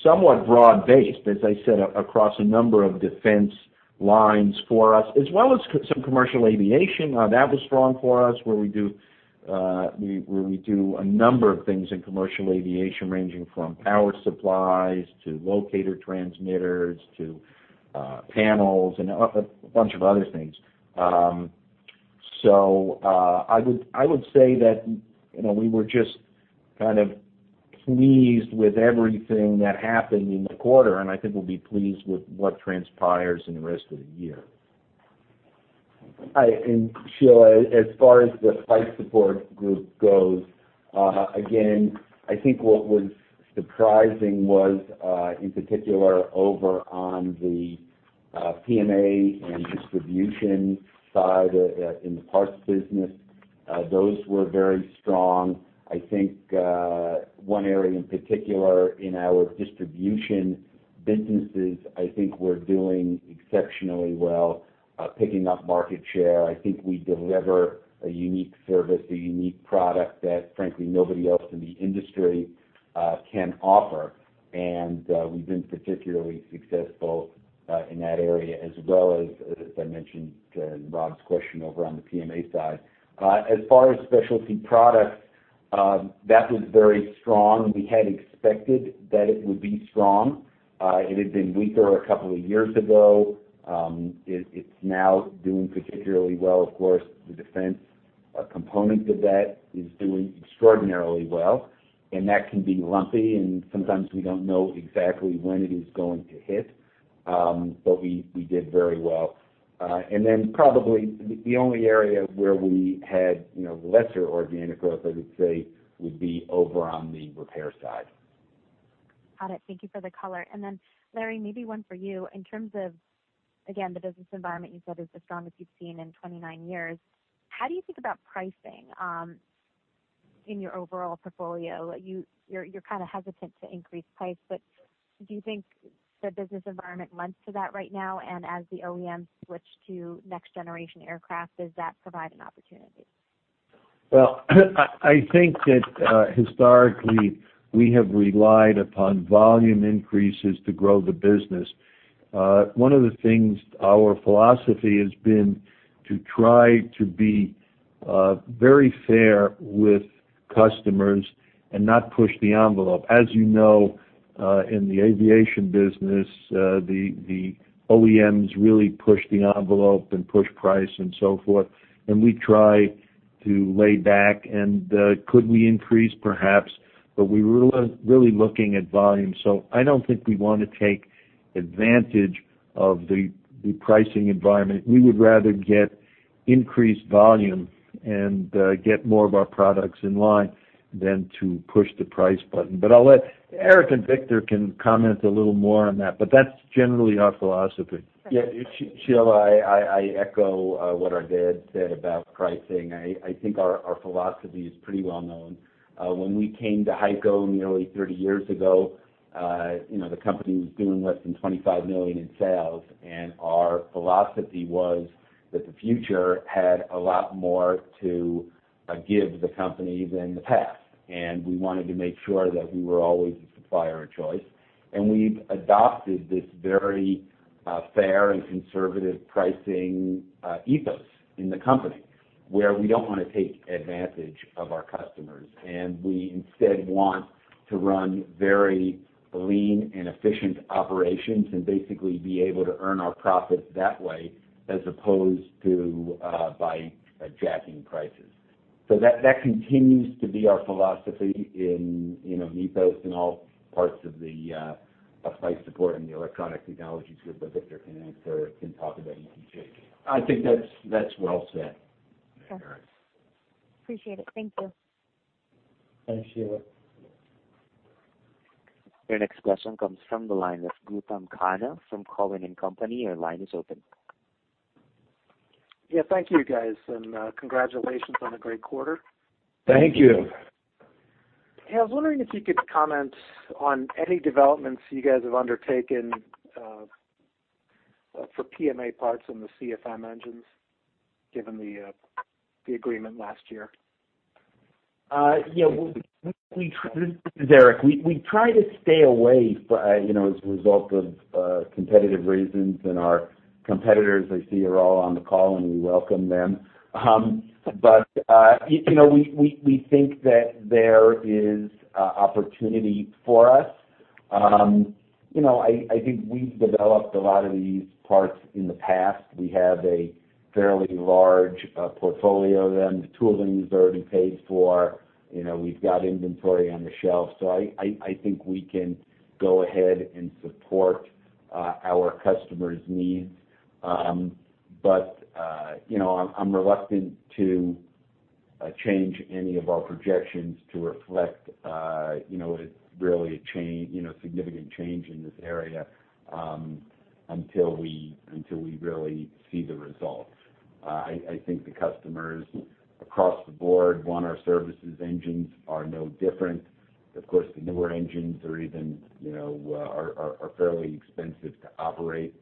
somewhat broad based, as I said, across a number of defense lines for us, as well as some commercial aviation. That was strong for us, where we do a number of things in commercial aviation, ranging from power supplies to locator transmitters, to panels and a bunch of other things. I would say that we were just kind of pleased with everything that happened in the quarter, and I think we'll be pleased with what transpires in the rest of the year. Hi. Sheila, as far as the Flight Support Group goes, again, I think what was surprising was, in particular, over on the PMA and distribution side in the parts business. Those were very strong. I think one area in particular in our distribution businesses, I think we're doing exceptionally well, picking up market share. I think we deliver a unique service, a unique product that frankly nobody else in the industry can offer. We've been particularly successful in that area as well as I mentioned in Rob's question, over on the PMA side. As far as specialty products, that was very strong. We had expected that it would be strong It had been weaker a couple of years ago. It's now doing particularly well. Of course, the defense component of that is doing extraordinarily well, and that can be lumpy, and sometimes we don't know exactly when it is going to hit. We did very well. Probably, the only area where we had lesser organic growth, I would say, would be over on the repair side. Got it. Thank you for the color. Larry, maybe one for you. In terms of, again, the business environment you said is the strongest you've seen in 29 years, how do you think about pricing in your overall portfolio? You're kind of hesitant to increase price, but do you think the business environment lends to that right now? As the OEMs switch to next generation aircraft, does that provide an opportunity? I think that historically, we have relied upon volume increases to grow the business. One of the things, our philosophy has been to try to be very fair with customers and not push the envelope. As you know, in the aviation business, the OEMs really push the envelope and push price and so forth. We try to lay back. Could we increase? Perhaps. We're really looking at volume. I don't think we want to take advantage of the pricing environment. We would rather get increased volume and get more of our products in line than to push the price button. I'll let Eric and Victor comment a little more on that, but that's generally our philosophy. Sheila, I echo what our dad said about pricing. I think our philosophy is pretty well known. When we came to HEICO nearly 30 years ago, the company was doing less than $25 million in sales, our philosophy was that the future had a lot more to give the company than the past. We wanted to make sure that we were always the supplier of choice. We've adopted this very fair and conservative pricing ethos in the company, where we don't want to take advantage of our customers. We instead want to run very lean and efficient operations, and basically be able to earn our profits that way as opposed to by jacking prices. That continues to be our philosophy in ethos in all parts of the Flight Support Group and the Electronic Technologies Group that Victor can talk about ETG. I think that's well said, Eric. Appreciate it. Thank you. Thanks, Sheila. Your next question comes from the line of Gautam Khanna from Cowen and Company. Your line is open. Yeah. Thank you, guys, and congratulations on a great quarter. Thank you. Thank you. Yeah, I was wondering if you could comment on any developments you guys have undertaken for PMA parts on the CFM engines, given the agreement last year. Yeah. This is Eric. We try to stay away as a result of competitive reasons, our competitors, I see, are all on the call, and we welcome them. We think that there is opportunity for us. I think we've developed a lot of these parts in the past. We have a fairly large portfolio of them. The tooling is already paid for. We've got inventory on the shelf. I think we can go ahead and support our customers' needs. I'm reluctant to change any of our projections to reflect a really significant change in this area, until we really see the results. I think the customers across the board want our services. Engines are no different. Of course, the newer engines are fairly expensive to operate.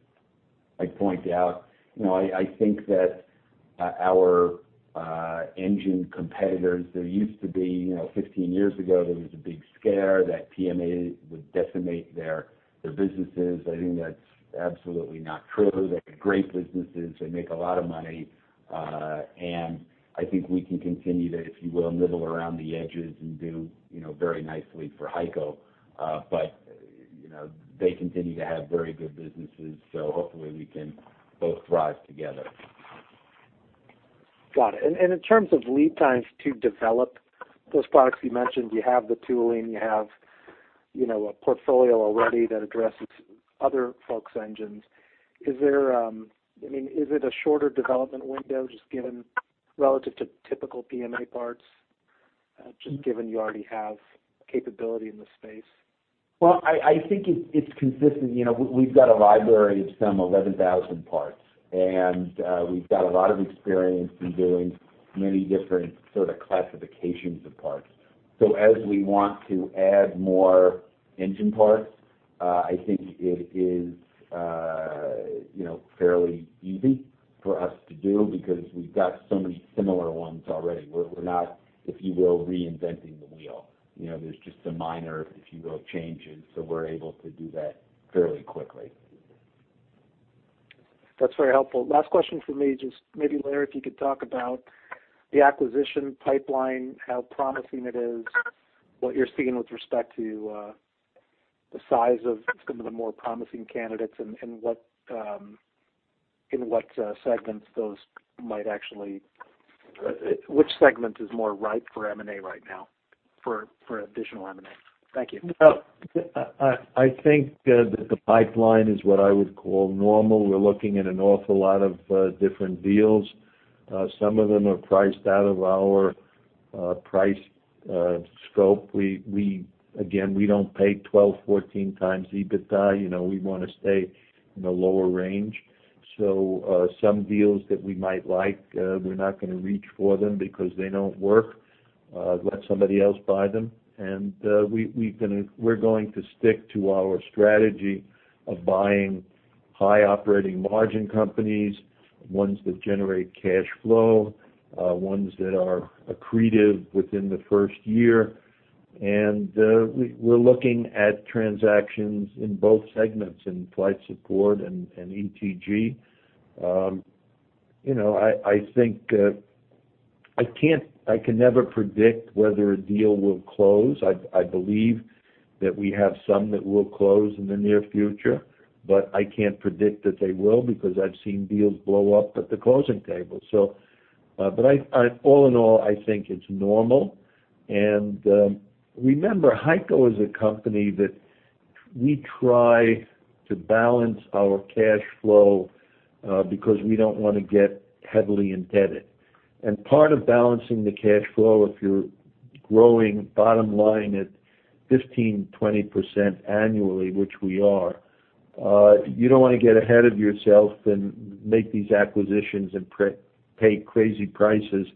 I'd point out, I think that our engine competitors, 15 years ago, there was a big scare that PMA would decimate their businesses. I think that's absolutely not true. They're great businesses. They make a lot of money. I think we can continue to, if you will, nibble around the edges and do very nicely for HEICO. They continue to have very good businesses, so hopefully we can both thrive together. Got it. In terms of lead times to develop those products, you mentioned you have the tooling, you have a portfolio already that addresses other folks' engines. Is it a shorter development window, just given relative to typical PMA parts, just given you already have capability in the space? Well, I think it's consistent. We've got a library of some 11,000 parts. We've got a lot of experience in doing many different sort of classifications of parts. As we want to add more engine parts, I think it is fairly easy for us to do, because we've got so many similar ones already. We're not, if you will, reinventing the wheel. There's just some minor, if you will, changes, we're able to do that fairly quickly. That's very helpful. Last question for me, just maybe, Larry, if you could talk about the acquisition pipeline, how promising it is, what you're seeing with respect to the size of some of the more promising candidates. Which segment is more ripe for M&A right now, for additional M&A? Thank you. Well, I think that the pipeline is what I would call normal. We're looking at an awful lot of different deals. Some of them are priced out of our price scope. Again, we don't pay 12, 14 times EBITDA. We want to stay in the lower range. Some deals that we might like, we're not going to reach for them because they don't work. Let somebody else buy them. We're going to stick to our strategy of buying high operating margin companies, ones that generate cash flow, ones that are accretive within the first year. We're looking at transactions in both segments, in Flight Support and ETG. I can never predict whether a deal will close. I believe that we have some that will close in the near future, but I can't predict that they will, because I've seen deals blow up at the closing table. All in all, I think it's normal. Remember, HEICO is a company that we try to balance our cash flow, because we don't want to get heavily indebted. Part of balancing the cash flow, if you're growing bottom line at 15%-20% annually, which we are, you don't want to get ahead of yourself and make these acquisitions and pay crazy prices,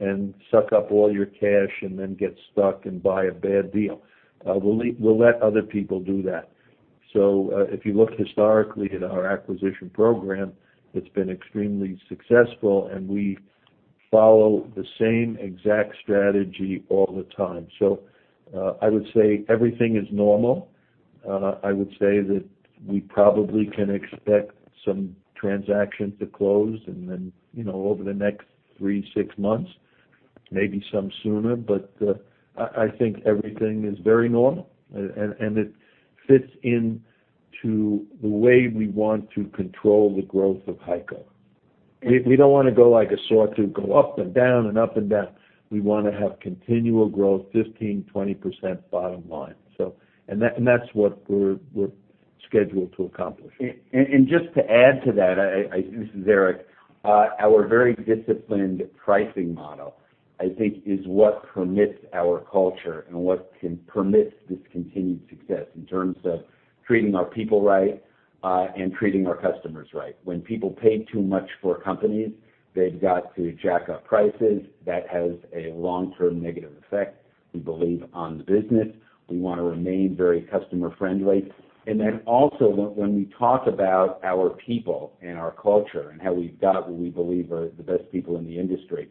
and suck up all your cash, and then get stuck and buy a bad deal. We'll let other people do that. If you look historically at our acquisition program, it's been extremely successful, and we follow the same exact strategy all the time. I would say everything is normal. I would say that we probably can expect some transactions to close, and then, over the next three, six months, maybe some sooner, but I think everything is very normal. It fits into the way we want to control the growth of HEICO. We don't want to go like a sawtooth, go up and down and up and down. We want to have continual growth, 15%-20% bottom line. That's what we're scheduled to accomplish. Just to add to that, this is Eric. Our very disciplined pricing model, I think, is what permits our culture and what can permit this continued success in terms of treating our people right, and treating our customers right. When people pay too much for companies, they've got to jack up prices. That has a long-term negative effect, we believe, on the business. We want to remain very customer-friendly. Then also, when we talk about our people and our culture and how we've got what we believe are the best people in the industry,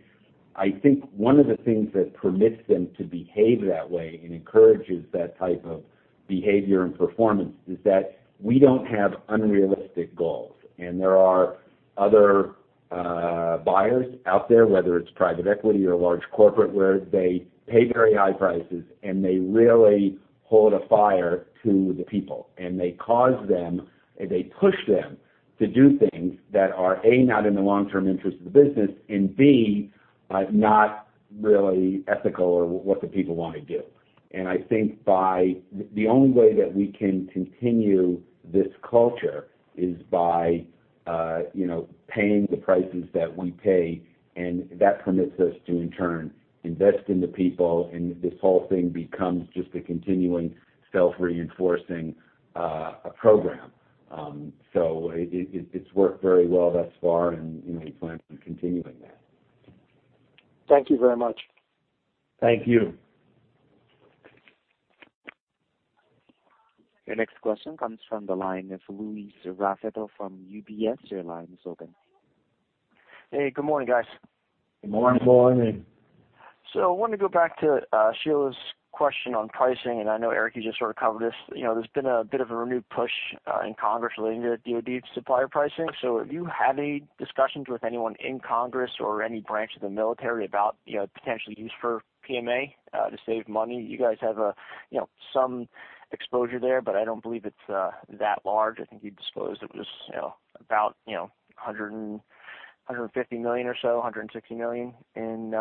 I think one of the things that permits them to behave that way and encourages that type of behavior and performance is that we don't have unrealistic goals. There are other buyers out there, whether it's private equity or large corporate, where they pay very high prices, and they really hold a fire to the people. They cause them, and they push them to do things that are, A, not in the long-term interest of the business, and B, not really ethical or what the people want to do. I think the only way that we can continue this culture is by paying the prices that we pay, and that permits us to, in turn, invest in the people, and this whole thing becomes just a continuing self-reinforcing program. It's worked very well thus far, and we plan on continuing that. Thank you very much. Thank you. Your next question comes from the line of Louis Raffetto from UBS. Your line is open. Hey, good morning, guys. Good morning. Good morning. I wanted to go back to Sheila's question on pricing, and I know, Eric, you just sort of covered this. There's been a bit of a renewed push in Congress relating to DoD supplier pricing. Have you had any discussions with anyone in Congress or any branch of the military about potential use for PMA to save money? You guys have some exposure there, but I don't believe it's that large. I think you disclosed it was about $150 million or so, $160 million in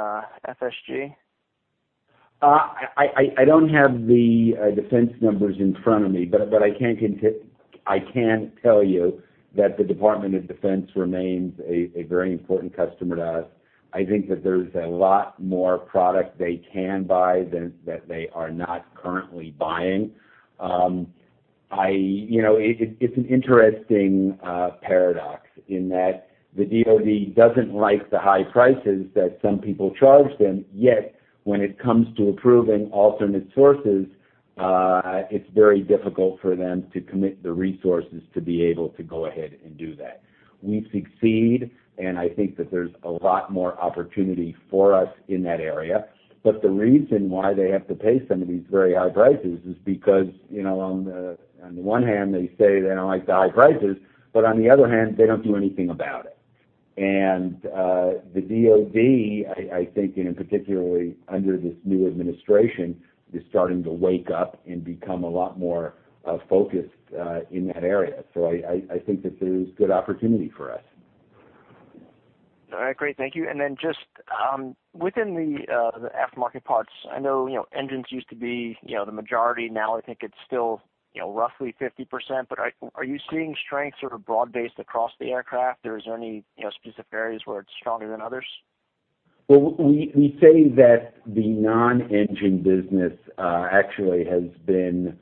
FSG. I don't have the defense numbers in front of me. I can tell you that the Department of Defense remains a very important customer to us. I think that there's a lot more product they can buy that they are not currently buying. It's an interesting paradox in that the DoD doesn't like the high prices that some people charge them, yet when it comes to approving alternate sources, it's very difficult for them to commit the resources to be able to go ahead and do that. We succeed, and I think that there's a lot more opportunity for us in that area. The reason why they have to pay some of these very high prices is because, on the one hand, they say they don't like the high prices, on the other hand, they don't do anything about it. The DoD, I think, particularly under this new administration, is starting to wake up and become a lot more focused in that area. I think that there's good opportunity for us. All right, great. Thank you. Just within the aftermarket parts, I know engines used to be the majority. Now, I think it's still roughly 50%, are you seeing strength sort of broad-based across the aircraft or is there any specific areas where it's stronger than others? Well, we say that the non-engine business actually has been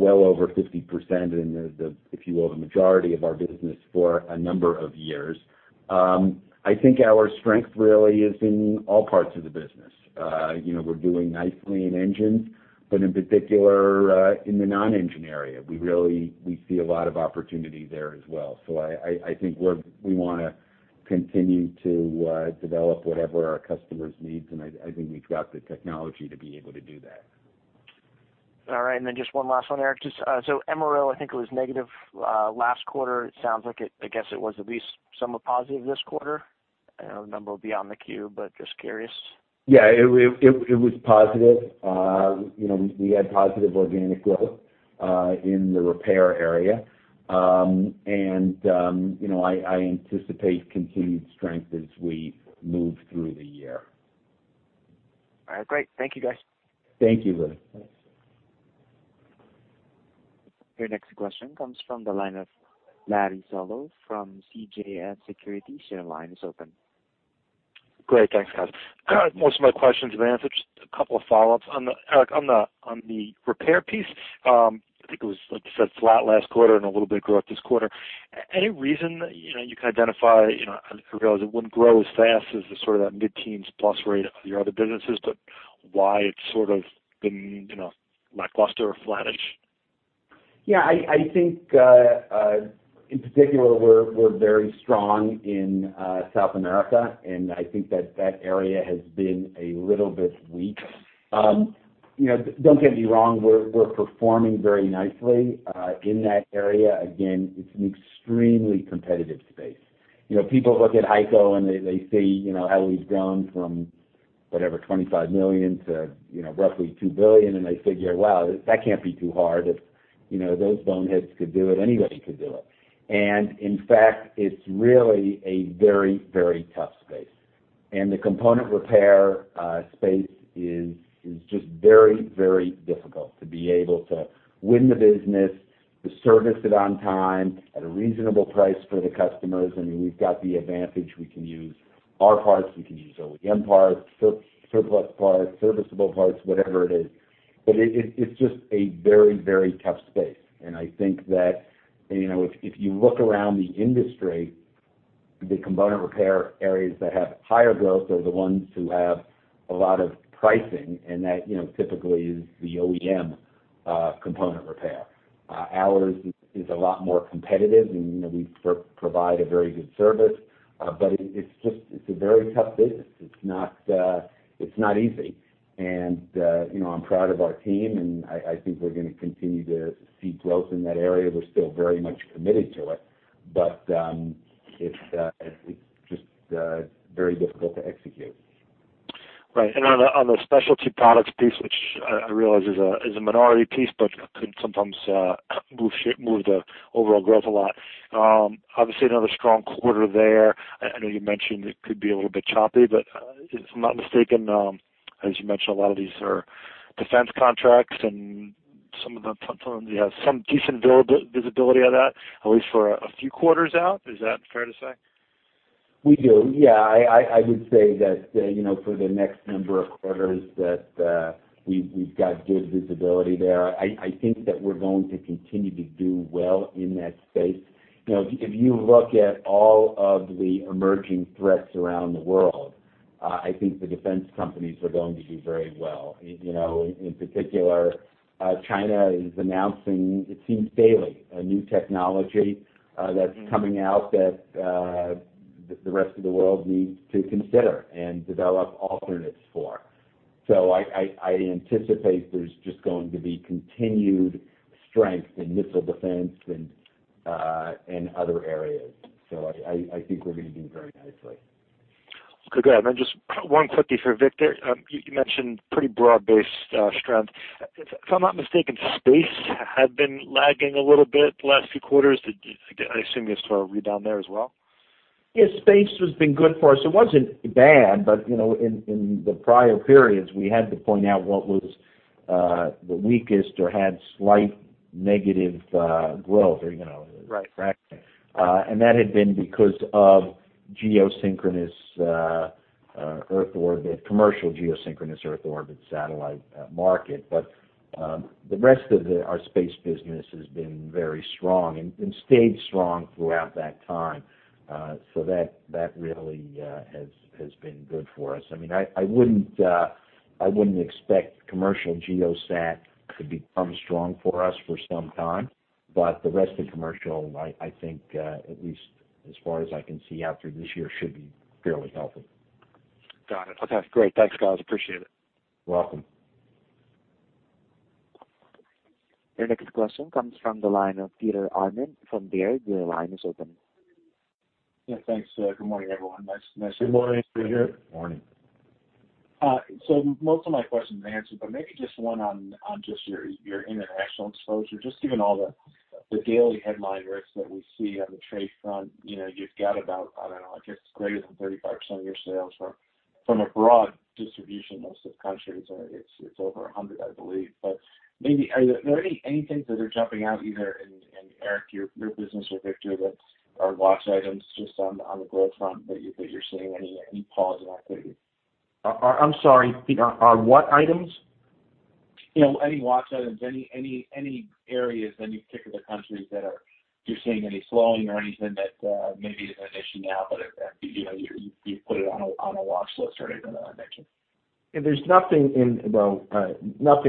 well over 50% and, if you will, the majority of our business for a number of years. I think our strength really is in all parts of the business. We're doing nicely in engines, in particular, in the non-engine area, we see a lot of opportunity there as well. I think we want to continue to develop whatever our customers need, and I think we've got the technology to be able to do that. All right. Just one last one, Eric. MRO, I think it was negative last quarter. It sounds like, I guess it was at least somewhat positive this quarter. I know the number will be on the Q, just curious. Yeah, it was positive. We had positive organic growth in the repair area. I anticipate continued strength as we move through the year. All right, great. Thank you, guys. Thank you, Louis. Your next question comes from the line of Larry Solow from CJS Securities. Your line is open. Great. Thanks, guys. Most of my questions have been answered. Just a couple of follow-ups. Eric, on the repair piece, I think it was, like you said, flat last quarter and a little bit of growth this quarter. Any reason that you can identify, I realize it wouldn't grow as fast as the sort of that mid-teens plus rate of your other businesses, but why it's sort of been lackluster or flattish? Yeah, I think, in particular, we're very strong in South America, and I think that that area has been a little bit weak. Don't get me wrong, we're performing very nicely in that area. Again, it's an extremely competitive space. People look at HEICO and they see how we've grown from, whatever, $25 million to roughly $2 billion, and they figure, "Wow, that can't be too hard. If those boneheads could do it, anybody could do it." In fact, it's really a very tough space. The component repair space is just very difficult to be able to win the business, to service it on time at a reasonable price for the customers. I mean, we've got the advantage. We can use our parts, we can use OEM parts, surplus parts, serviceable parts, whatever it is, but it's just a very tough space. I think that if you look around the industry, the component repair areas that have higher growth are the ones who have a lot of pricing, and that typically is the OEM component repair. Ours is a lot more competitive, and we provide a very good service. It's a very tough business. It's not easy, and I'm proud of our team, and I think we're going to continue to see growth in that area. We're still very much committed to it. It's just very difficult to execute. Right. On the specialty products piece, which I realize is a minority piece, but can sometimes move the overall growth a lot. Obviously, another strong quarter there. I know you mentioned it could be a little bit choppy, but if I'm not mistaken, as you mentioned, a lot of these are defense contracts and some of them, you have some decent visibility of that, at least for a few quarters out. Is that fair to say? We do. I would say that for the next number of quarters that we've got good visibility there. I think that we're going to continue to do well in that space. If you look at all of the emerging threats around the world, I think the defense companies are going to do very well. In particular, China is announcing, it seems daily, a new technology that's coming out that the rest of the world needs to consider and develop alternates for. I anticipate there's just going to be continued strength in missile defense and other areas. I think we're going to do very nicely. Okay, great. Just one quickly for Victor. You mentioned pretty broad-based strength. If I'm not mistaken, space had been lagging a little bit the last few quarters. I assume you're sort of re-down there as well? Yes, space has been good for us. It wasn't bad, but in the prior periods, we had to point out what was the weakest or had slight negative growth. Right fractions. That had been because of commercial geosynchronous Earth orbit satellite market. The rest of our space business has been very strong and stayed strong throughout that time. That really has been good for us. I mean, I wouldn't expect commercial GEO satellite to become strong for us for some time, but the rest of commercial, I think, at least as far as I can see out through this year, should be fairly healthy. Got it. Okay, great. Thanks, guys. Appreciate it. Welcome. Your next question comes from the line of Peter Arment from Baird. Your line is open. Yeah. Thanks. Good morning, everyone. Good morning, Peter. Morning. Most of my questions are answered, but maybe just one on just your international exposure. Given all the daily headline risks that we see on the trade front, you've got about, I don't know, I guess greater than 35% of your sales from a broad distribution of countries. It's over 100, I believe. Maybe, are there any things that are jumping out, either in Eric, your business or Victor, that are watch items just on the growth front that you're seeing any pause in activity? I'm sorry, Peter. Are what items? Any watch items. Any areas, any particular countries that you're seeing any slowing or anything that may be an issue now, but you put it on a watch list or anything like that? There's nothing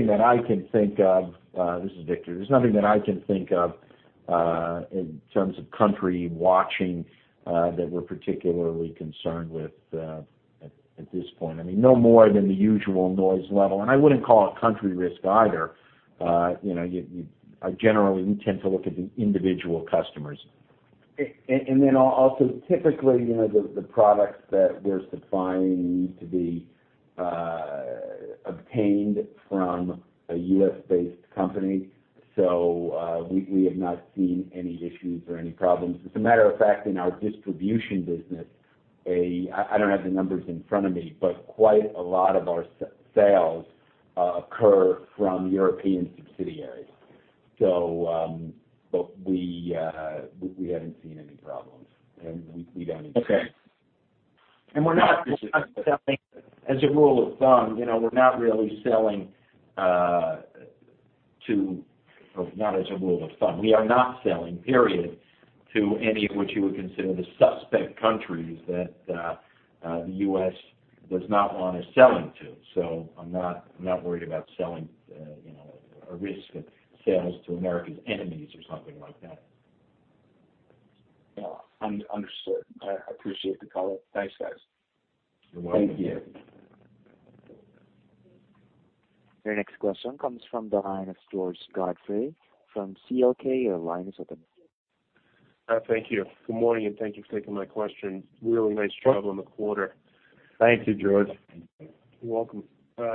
that I can think of This is Victor. There's nothing that I can think of in terms of country watching that we're particularly concerned with at this point. No more than the usual noise level, and I wouldn't call it country risk either. Generally, we tend to look at the individual customers. Also, typically, the products that we're supplying need to be obtained from a U.S.-based company. We have not seen any issues or any problems. As a matter of fact, in our distribution business, I don't have the numbers in front of me, quite a lot of our sales occur from European subsidiaries. We haven't seen any problems, and we don't expect. Okay We are not selling, period, to any of which you would consider the suspect countries that the U.S. does not want us selling to. I'm not worried about selling, a risk of sales to America's enemies or something like that. Understood. I appreciate the color. Thanks, guys. You're welcome. Thank you. Your next question comes from the line of George Godfrey from CLK. Your line is open. Thank you. Good morning, and thank you for taking my question. Really nice job on the quarter. Thank you, George. You're welcome.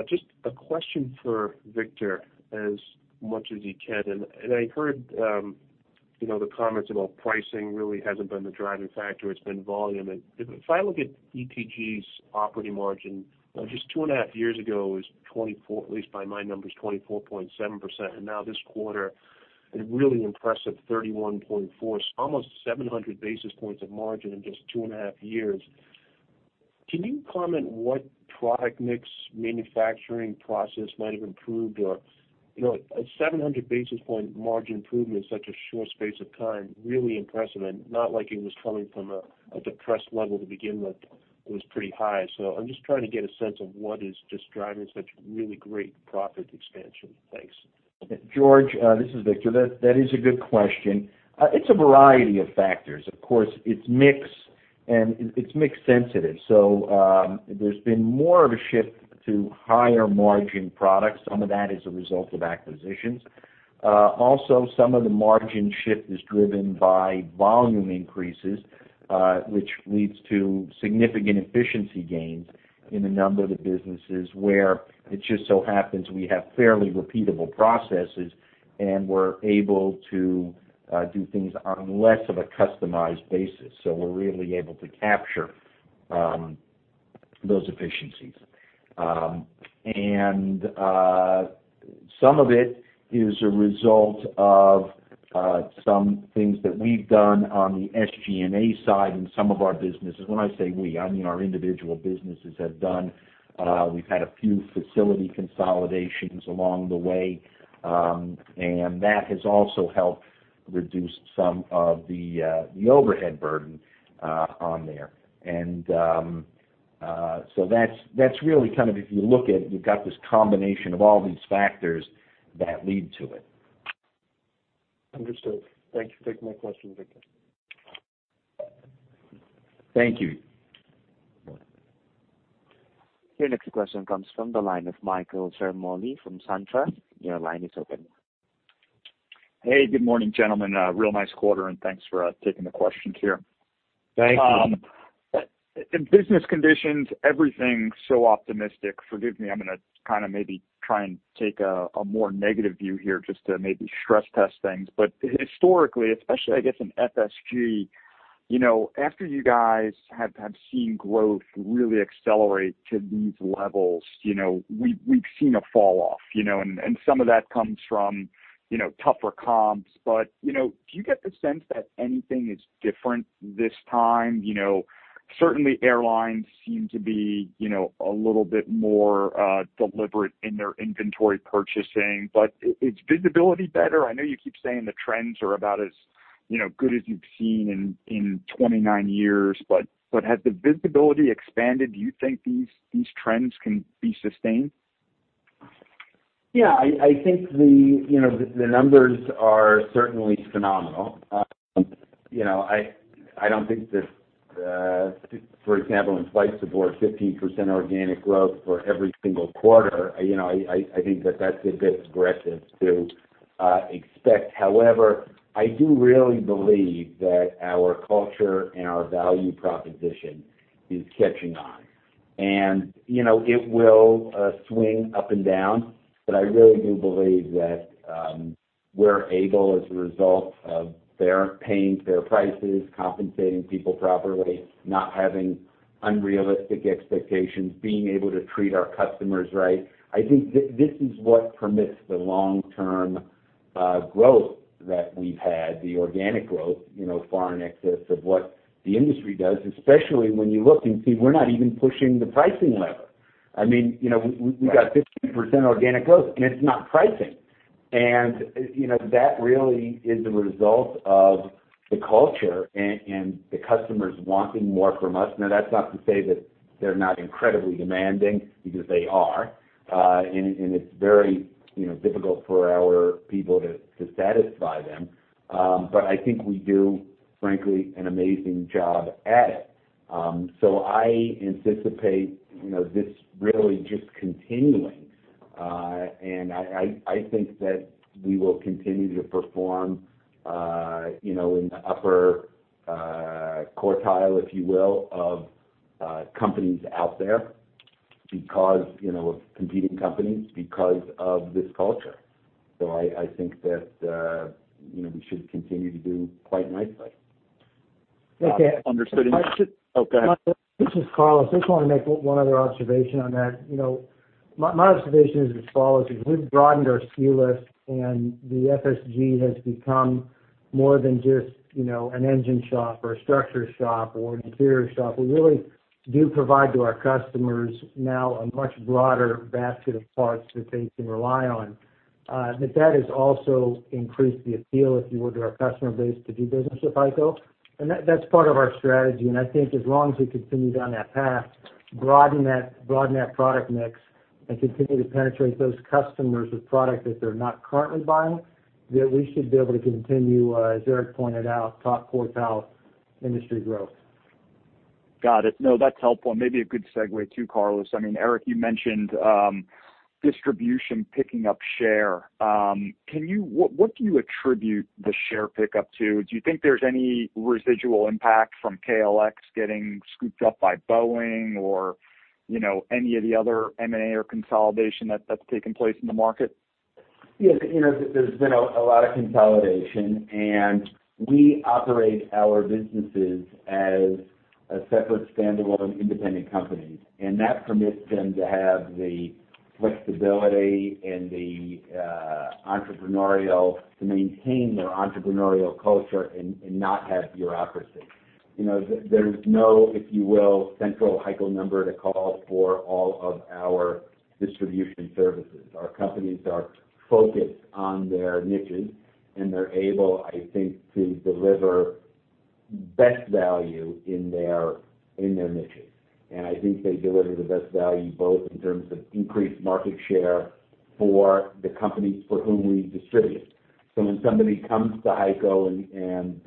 Just a question for Victor, as much as you can. I heard the comments about pricing really hasn't been the driving factor, it's been volume. If I look at ETG's operating margin, just two and a half years ago, it was 24, at least by my numbers, 24.7%, and now this quarter, a really impressive 31.4, almost 700 basis points of margin in just two and a half years. Can you comment what product mix manufacturing process might have improved? A 700 basis point margin improvement in such a short space of time, really impressive and not like it was coming from a depressed level to begin with. It was pretty high. I'm just trying to get a sense of what is just driving such really great profit expansion. Thanks. George, this is Victor. That is a good question. It's a variety of factors. Of course, it's mix, and it's mix sensitive. There's been more of a shift to higher margin products. Some of that is a result of acquisitions. Also, some of the margin shift is driven by volume increases, which leads to significant efficiency gains in a number of the businesses where it just so happens we have fairly repeatable processes, and we're able to do things on less of a customized basis, so we're really able to capture those efficiencies. Some of it is a result of some things that we've done on the SG&A side in some of our businesses. When I say we, I mean our individual businesses have done. We've had a few facility consolidations along the way, and that has also helped reduce some of the overhead burden on there. That's really kind of if you look at, you've got this combination of all these factors that lead to it. Understood. Thank you for taking my question, Victor. Thank you. Your next question comes from the line of Michael Ciarmoli from SunTrust. Your line is open. Hey, good morning, gentlemen. A real nice quarter, and thanks for taking the questions here. Thank you. In business conditions, everything so optimistic. Forgive me, I'm going to kind of maybe try and take a more negative view here just to maybe stress test things. Historically, especially, I guess, in FSG, after you guys have seen growth really accelerate to these levels, we've seen a fall off. Some of that comes from tougher comps. Do you get the sense that anything is different this time? Certainly airlines seem to be a little bit more deliberate in their inventory purchasing, but is visibility better? I know you keep saying the trends are about as good as you've seen in 29 years, but has the visibility expanded? Do you think these trends can be sustained? Yeah, I think the numbers are certainly phenomenal. I don't think that, for example, in flight support, 15% organic growth for every single quarter. I think that that's a bit aggressive to expect. However, I do really believe that our culture and our value proposition is catching on. It will swing up and down, but I really do believe that we're able, as a result of fair paying, fair prices, compensating people properly, not having unrealistic expectations, being able to treat our customers right. I think this is what permits the long-term growth that we've had, the organic growth, far in excess of what the industry does, especially when you look and see we're not even pushing the pricing lever. We've got 15% organic growth, and it's not pricing. That really is a result of the culture and the customers wanting more from us. That's not to say that they're not incredibly demanding, because they are. It's very difficult for our people to satisfy them. I think we do, frankly, an amazing job at it. I anticipate this really just continuing. I think that we will continue to perform in the upper quartile, if you will, of companies out there, competing companies, because of this culture. I think that we should continue to do quite nicely. Okay. Understood. Go ahead. This is Carlos. My observation is as follows. As we've broadened our SKU list and the FSG has become more than just an engine shop or a structure shop or an interior shop, we really do provide to our customers now a much broader basket of parts that they can rely on. That has also increased the appeal, if you will, to our customer base to do business with HEICO, and that's part of our strategy. I think as long as we continue down that path, broaden that product mix, and continue to penetrate those customers with product that they're not currently buying, that we should be able to continue, as Eric pointed out, top quartile industry growth. Got it. That's helpful, and maybe a good segue too, Carlos. Eric, you mentioned distribution picking up share. What do you attribute the share pickup to? Do you think there's any residual impact from KLX getting scooped up by Boeing or any of the other M&A or consolidation that's taken place in the market? Yes. There's been a lot of consolidation, and we operate our businesses as a separate, standalone, independent company, and that permits them to have the flexibility and to maintain their entrepreneurial culture and not have bureaucracy. There's no, if you will, central HEICO number to call for all of our distribution services. Our companies are focused on their niches, and they're able, I think, to deliver best value in their niches. I think they deliver the best value both in terms of increased market share for the companies for whom we distribute. When somebody comes to HEICO and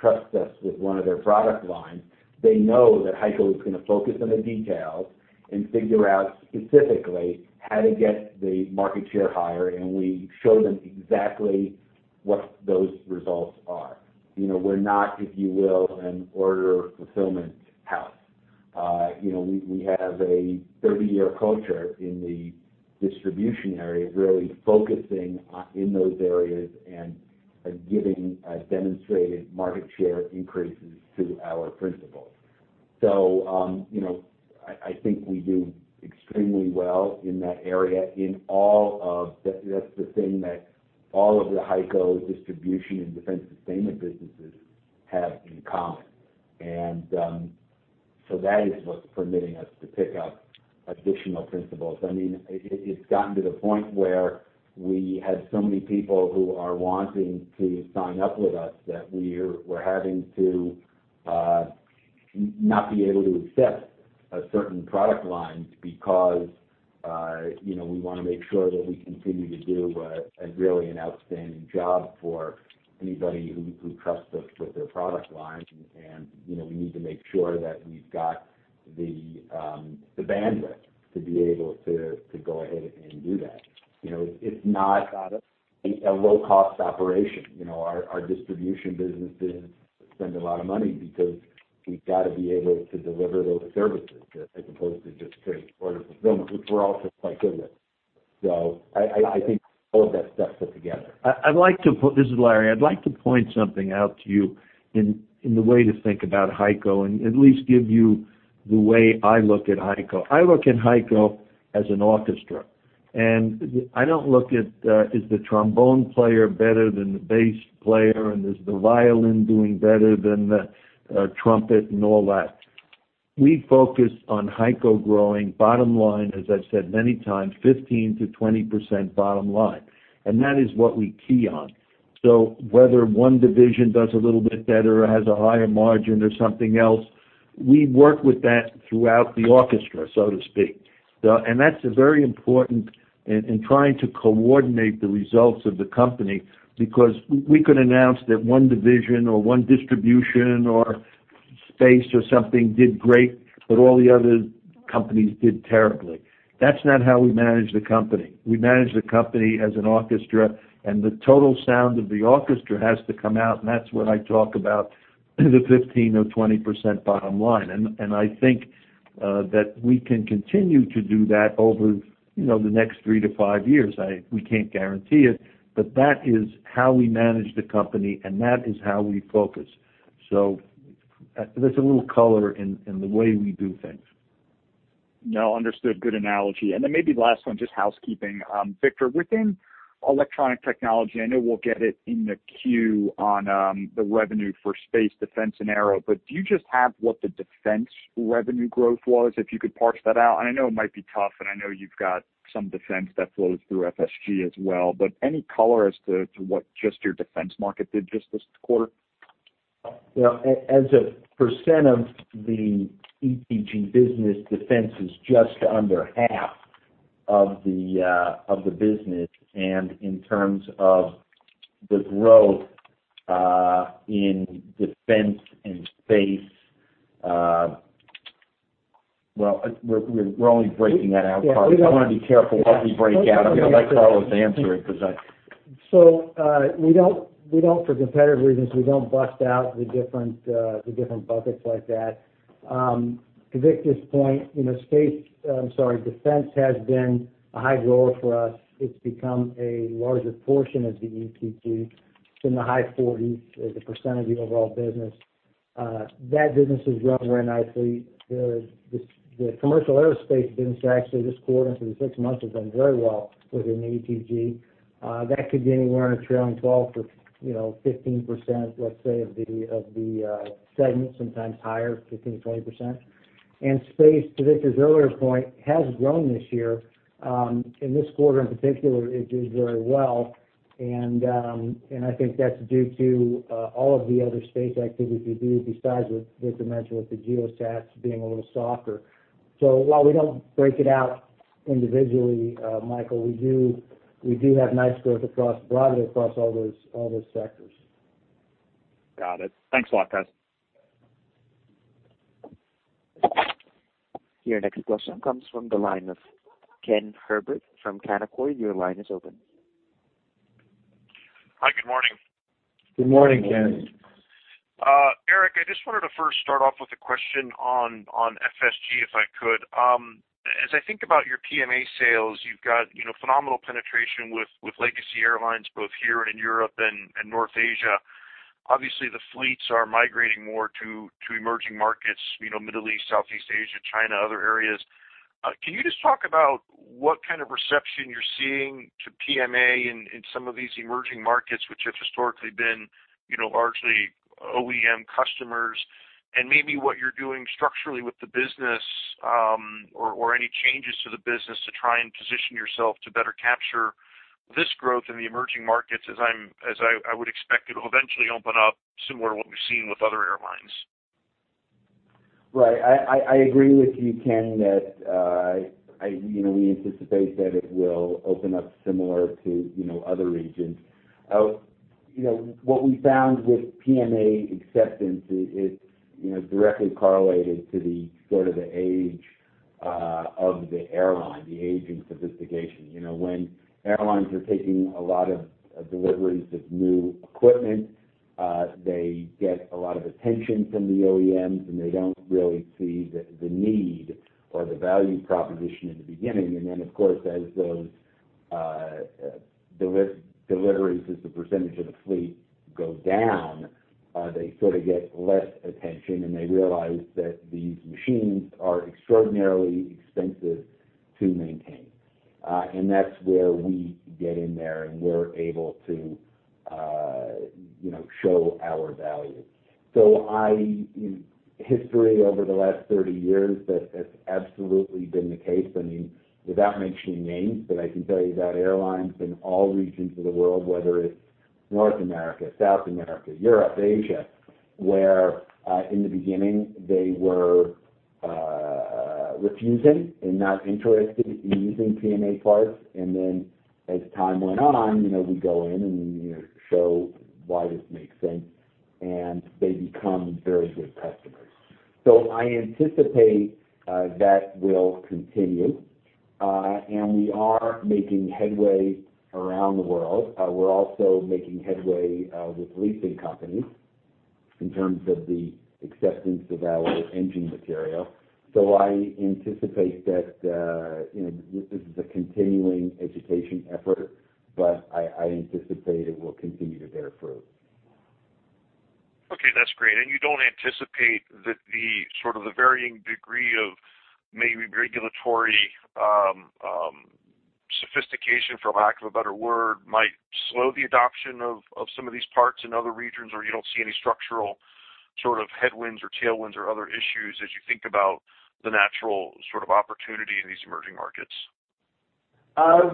trusts us with one of their product lines, they know that HEICO is going to focus on the details and figure out specifically how to get the market share higher, and we show them exactly what those results are. We're not, if you will, an order fulfillment house. We have a 30-year culture in the distribution area of really focusing in those areas and giving demonstrated market share increases to our principals. I think we do extremely well in that area. That's the thing that all of the HEICO distribution and defense sustainment businesses have in common. That is what's permitting us to pick up additional principals. It's gotten to the point where we have so many people who are wanting to sign up with us that we're having to not be able to accept certain product lines because we want to make sure that we continue to do a really outstanding job for anybody who trusts us with their product lines. We need to make sure that we've got the bandwidth to be able to go ahead and do that. It's not. Got it a low-cost operation. Our distribution businesses spend a lot of money because we've got to be able to deliver those services as opposed to just straight order fulfillment, which we're also quite good at. I think all of that stuff put together. This is Larry. I'd like to point something out to you in the way to think about HEICO, at least give you the way I look at HEICO. I look at HEICO as an orchestra. I don't look at, is the trombone player better than the bass player, and is the violin doing better than the trumpet and all that. We focus on HEICO growing bottom line, as I've said many times, 15%-20% bottom line. That is what we key on. Whether one division does a little bit better or has a higher margin or something else, we work with that throughout the orchestra, so to speak. That's very important in trying to coordinate the results of the company, because we could announce that one division or one distribution or Space or something did great, but all the other companies did terribly. That's not how we manage the company. We manage the company as an orchestra, the total sound of the orchestra has to come out, that's what I talk about, the 15% or 20% bottom line. I think that we can continue to do that over the next 3 to 5 years. We can't guarantee it, but that is how we manage the company, that is how we focus. That's a little color in the way we do things. No, understood. Good analogy. Maybe the last one, just housekeeping. Victor, within Electronic Technologies, I know we'll get it in the queue on the revenue for space, defense, and aero, do you just have what the defense revenue growth was, if you could parse that out? I know it might be tough, I know you've got some defense that flows through FSG as well, any color as to what just your defense market did just this quarter? As a percent of the ETG business, defense is just under half of the business. In terms of the growth in defense and space, well, we're only breaking that out partly. I want to be careful what we break out. I'm going to let Carlos answer it because I. For competitive reasons, we don't bust out the different buckets like that. To Victor's point, defense has been a high growth for us. It's become a larger portion of the ETG. It's in the high 40s as a percent of the overall business. That business has grown very nicely. The commercial aerospace business, actually, this quarter for the six months has done very well within ETG. That could be anywhere in a trailing 12 for 15%, let's say, of the segment, sometimes higher, 15%-20%. Space, to Victor's earlier point, has grown this year. In this quarter, in particular, it did very well, I think that's due to all of the other space activity we do besides what Victor mentioned with the GEOSATs being a little softer. While we don't break it out individually, Michael, we do have nice growth broadly across all those sectors. Got it. Thanks a lot, guys. Your next question comes from the line of Ken Herbert from Canaccord. Your line is open. Hi, good morning. Good morning. Good morning. Eric, I just wanted to first start off with a question on FSG, if I could. As I think about your PMA sales, you've got phenomenal penetration with legacy airlines, both here in Europe and North Asia. Obviously, the fleets are migrating more to emerging markets, Middle East, Southeast Asia, China, other areas. Can you just talk about what kind of reception you're seeing to PMA in some of these emerging markets which have historically been largely OEM customers, and maybe what you're doing structurally with the business, or any changes to the business to try and position yourself to better capture this growth in the emerging markets, as I would expect it'll eventually open up similar to what we've seen with other airlines? Right. I agree with you, Ken, that we anticipate that it will open up similar to other regions. What we found with PMA acceptance, it's directly correlated to the age of the airline, the aging sophistication. When airlines are taking a lot of deliveries of new equipment, they get a lot of attention from the OEMs, and they don't really see the need or the value proposition in the beginning. Then, of course, as those deliveries as a percentage of the fleet go down, they sort of get less attention, and they realize that these machines are extraordinarily expensive to maintain. That's where we get in there, and we're able to show our value. History over the last 30 years, that has absolutely been the case. Without mentioning names, but I can tell you that airlines in all regions of the world, whether it's North America, South America, Europe, Asia, where in the beginning, they were refusing and not interested in using PMA parts. Then as time went on, we go in, and we show why this makes sense, and they become very good customers. I anticipate that will continue. We are making headway around the world. We're also making headway with leasing companies in terms of the acceptance of our engine material. I anticipate that this is a continuing education effort, but I anticipate it will continue to bear fruit. Okay, that's great. You don't anticipate that the varying degree of maybe regulatory sophistication, for lack of a better word, might slow the adoption of some of these parts in other regions, or you don't see any structural sort of headwinds or tailwinds or other issues as you think about the natural opportunity in these emerging markets?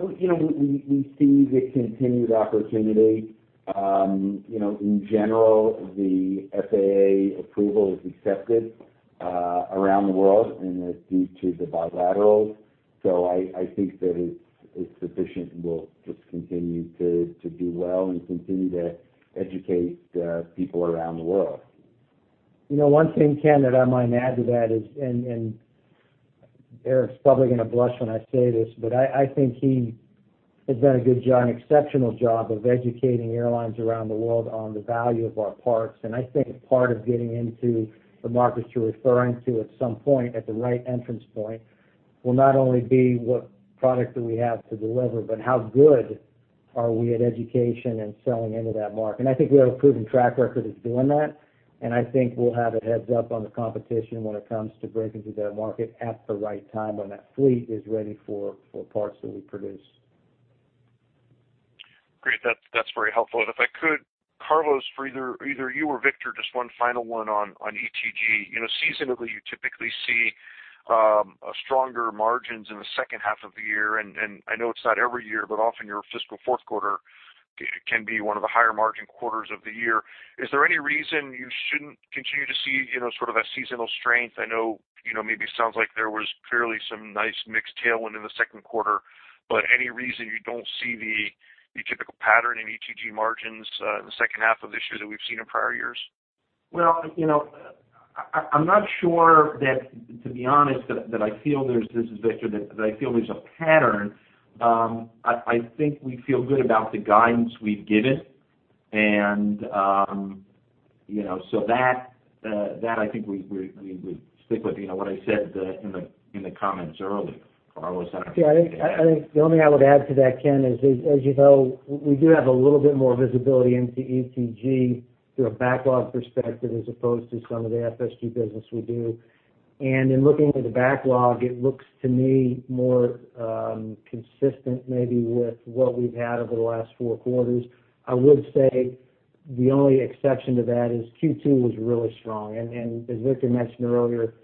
We see the continued opportunity. In general, the FAA approval is accepted around the world, and it's due to the bilaterals. I think that it's sufficient and will just continue to do well and continue to educate people around the world. One thing, Ken, that I might add to that is, Eric's probably going to blush when I say this, but I think he has done a good job, an exceptional job, of educating airlines around the world on the value of our parts. I think part of getting into the markets you're referring to at some point, at the right entrance point, will not only be what product do we have to deliver, but how good are we at education and selling into that market. I think we have a proven track record of doing that, and I think we'll have it heads up on the competition when it comes to breaking through that market at the right time, when that fleet is ready for parts that we produce. Great. That's very helpful. If I could, Carlos, for either you or Victor, just one final one on ETG. Seasonally, you typically see stronger margins in the second half of the year, and I know it's not every year, but often your fiscal fourth quarter can be one of the higher margin quarters of the year. Is there any reason you shouldn't continue to see sort of a seasonal strength? I know, maybe it sounds like there was clearly some nice mixed tailwind in the second quarter, but any reason you don't see the typical pattern in ETG margins in the second half of this year that we've seen in prior years? Well, I'm not sure that, to be honest, that I feel there's a pattern. I think we feel good about the guidance we've given, that I think we stick with what I said in the comments earlier. Carlos, I don't know if you have anything to add. I think the only thing I would add to that, Ken, is, as you know, we do have a little bit more visibility into ETG through a backlog perspective, as opposed to some of the FSG business we do. In looking at the backlog, it looks to me more consistent maybe with what we've had over the last four quarters. I would say the only exception to that is Q2 was really strong. As Victor mentioned earlier,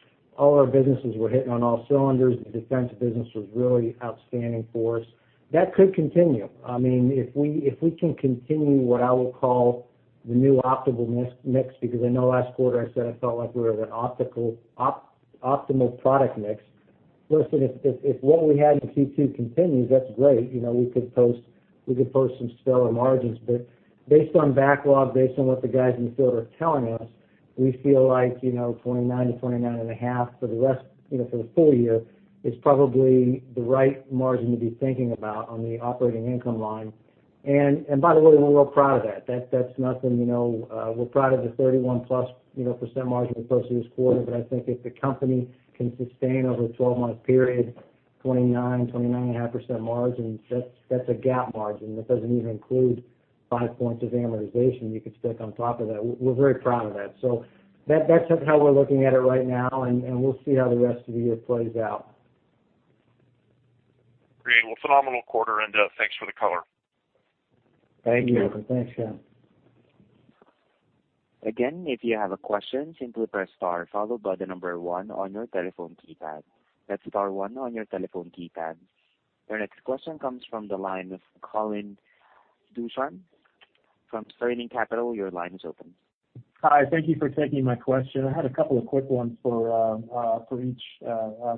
all our businesses were hitting on all cylinders. The defense business was really outstanding for us. That could continue. If we can continue what I will call the new optimal mix, because I know last quarter I said I felt like we were at optimal product mix. Listen, if what we had in Q2 continues, that's great. We could post some stellar margins. Based on backlog, based on what the guys in the field are telling us, we feel like, 29%-29.5% for the full year is probably the right margin to be thinking about on the operating income line. By the way, we're real proud of that. That's nothing. We're proud of the 31%+ margin we posted this quarter. I think if the company can sustain over a 12-month period, 29%-29.5% margin, that's a GAAP margin. That doesn't even include five points of amortization you could stick on top of that. We're very proud of that. That's how we're looking at it right now, and we'll see how the rest of the year plays out. Great. Phenomenal quarter, thanks for the color. Thank you. Thanks, Ken. Again, if you have a question, simply press star followed by the number 1 on your telephone keypad. That's star one on your telephone keypad. Your next question comes from the line of Colin Dushan from Sterling Capital. Your line is open. Hi, thank you for taking my question. I had a couple of quick ones for each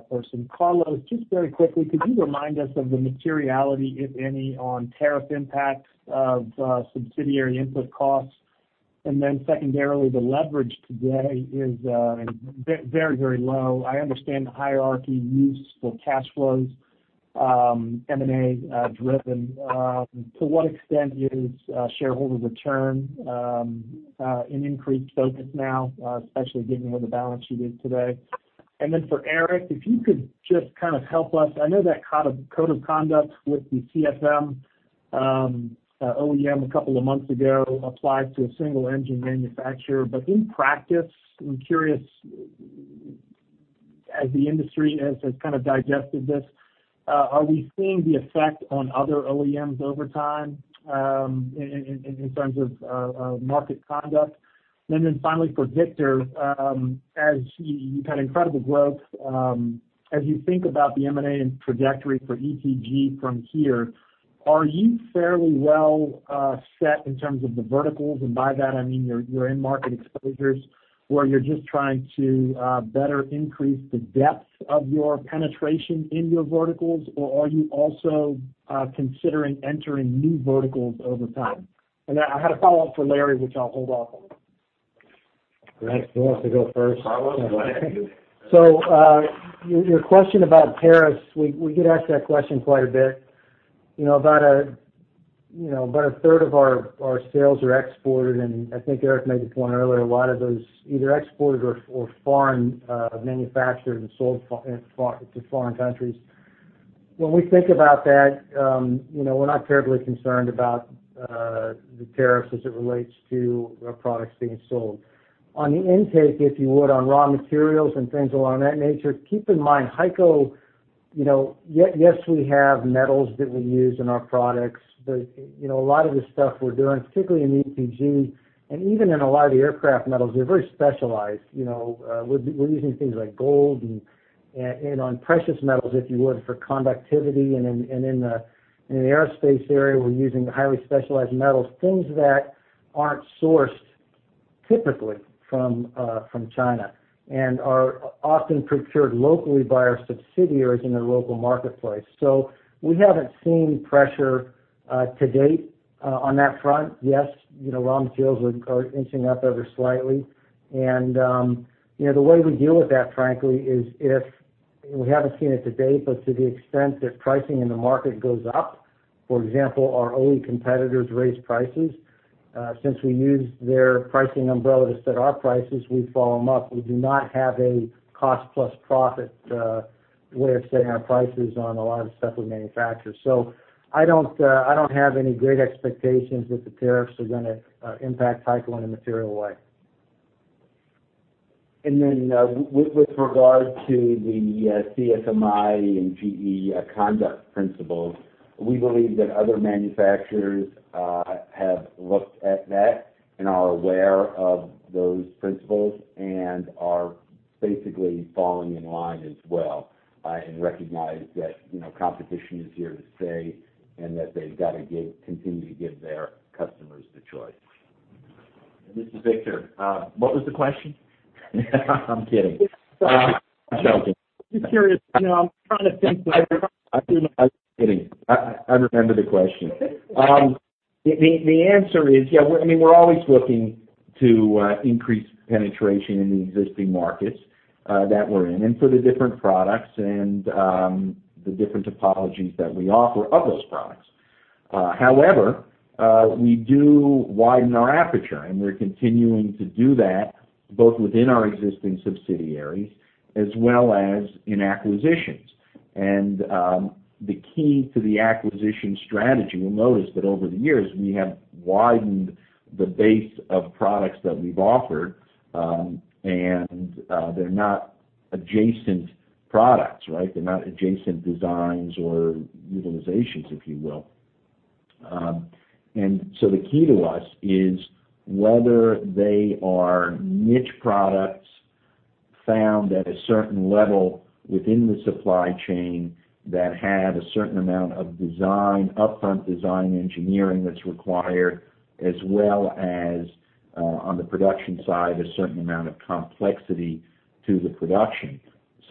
person. Carlos, just very quickly, could you remind us of the materiality, if any, on tariff impacts of subsidiary input costs? Secondarily, the leverage today is very low. I understand the hierarchy use for cash flows, M&A driven. To what extent is shareholder return an increased focus now, especially given where the balance sheet is today? For Eric, if you could just kind of help us. I know that code of conduct with the CFM OEM a couple of months ago applied to a single engine manufacturer. In practice, I'm curious, as the industry has kind of digested this, are we seeing the effect on other OEMs over time in terms of market conduct? Finally for Victor, as you've had incredible growth, as you think about the M&A and trajectory for ETG from here, are you fairly well set in terms of the verticals? By that I mean your end market exposures, or you're just trying to better increase the depth of your penetration in your verticals, or are you also considering entering new verticals over time? I had a follow-up for Larry, which I'll hold off on. Who wants to go first? Carlos, why don't you? Your question about tariffs, we get asked that question quite a bit. About a third of our sales are exported, and I think Eric made the point earlier, a lot of those either exported or foreign manufactured and sold to foreign countries. When we think about that, we're not terribly concerned about the tariffs as it relates to our products being sold. On the intake, if you would, on raw materials and things along that nature, keep in mind, HEICO, yes, we have metals that we use in our products, but a lot of the stuff we're doing, particularly in ETG and even in a lot of the aircraft metals, they're very specialized. We're using things like gold and on precious metals, if you would, for conductivity. In the aerospace area, we're using highly specialized metals, things that aren't sourced Typically from China, and are often procured locally by our subsidiaries in the local marketplace. We haven't seen pressure to date on that front. Yes, raw materials are inching up ever slightly. The way we deal with that, frankly, is if we haven't seen it to date, but to the extent that pricing in the market goes up, for example, our OE competitors raise prices. Since we use their pricing umbrella to set our prices, we follow them up. We do not have a cost-plus profit way of setting our prices on a lot of stuff we manufacture. I don't have any great expectations that the tariffs are going to impact HEICO in a material way. With regard to the CSMI and GE conduct principles, we believe that other manufacturers have looked at that and are aware of those principles, are basically falling in line as well, and recognize that competition is here to stay and that they've got to continue to give their customers the choice. This is Victor. What was the question? I'm kidding. I'm joking. Just curious. I'm trying to think I'm kidding. I remember the question. The answer is, we're always looking to increase penetration in the existing markets that we're in, for the different products and the different topologies that we offer of those products. However, we do widen our aperture, and we're continuing to do that both within our existing subsidiaries as well as in acquisitions. The key to the acquisition strategy, you'll notice that over the years, we have widened the base of products that we've offered. They're not adjacent products, right? They're not adjacent designs or utilizations, if you will. The key to us is whether they are niche products found at a certain level within the supply chain that have a certain amount of upfront design engineering that's required, as well as, on the production side, a certain amount of complexity to the production.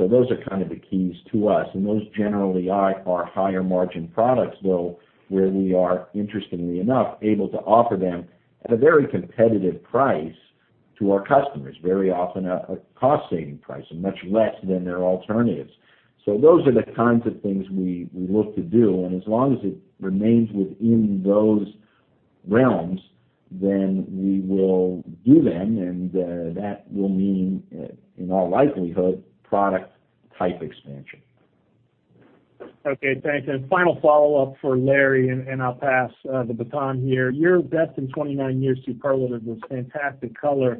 Those are kind of the keys to us, and those generally are higher margin products, though, where we are, interestingly enough, able to offer them at a very competitive price to our customers, very often at a cost-saving price and much less than their alternatives. Those are the kinds of things we look to do, and as long as it remains within those realms, then we will do them, and that will mean, in all likelihood, product type expansion. Okay, thanks. Final follow-up for Larry, and I'll pass the baton here. Your best in 29 years to parallel is this fantastic color.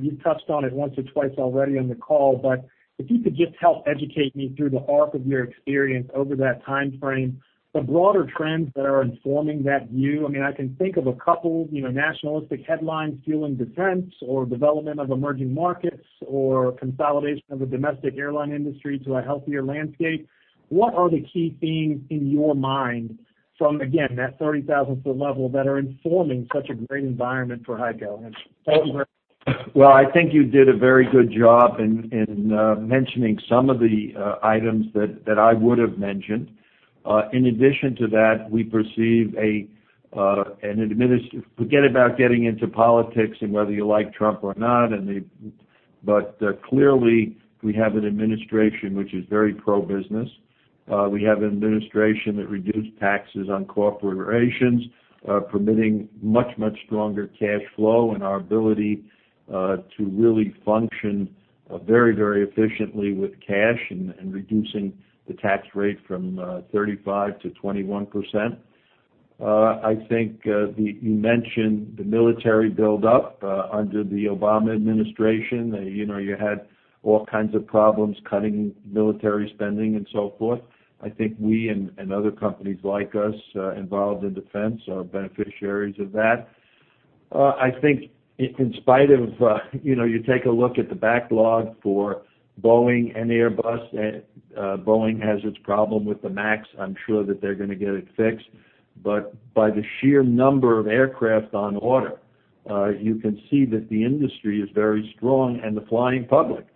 You've touched on it once or twice already on the call, but if you could just help educate me through the arc of your experience over that time frame, the broader trends that are informing that view. I can think of a couple, nationalistic headlines fueling defense or development of emerging markets, or consolidation of the domestic airline industry to a healthier landscape. What are the key themes in your mind from, again, that 30,000-foot level that are informing such a great environment for HEICO? Thank you very much. I think you did a very good job in mentioning some of the items that I would have mentioned. In addition to that, we perceive, forget about getting into politics and whether you like Trump or not. Clearly we have an administration which is very pro-business. We have an administration that reduced taxes on corporations, permitting much, much stronger cash flow and our ability to really function very, very efficiently with cash and reducing the tax rate from 35% to 21%. I think you mentioned the military buildup, under the Obama administration. You had all kinds of problems cutting military spending and so forth. I think we and other companies like us, involved in defense, are beneficiaries of that. I think in spite of, you take a look at the backlog for Boeing and Airbus. Boeing has its problem with the Max. I'm sure that they're going to get it fixed. By the sheer number of aircraft on order, you can see that the industry is very strong and the flying public.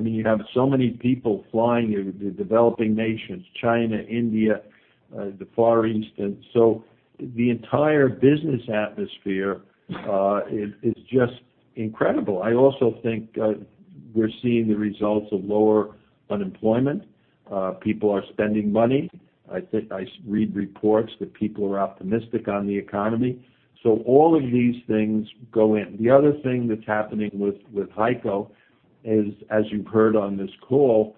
You have so many people flying, the developing nations, China, India, the Far East. The entire business atmosphere is just incredible. I also think we're seeing the results of lower unemployment. People are spending money. I read reports that people are optimistic on the economy. All of these things go in. The other thing that's happening with HEICO is, as you've heard on this call,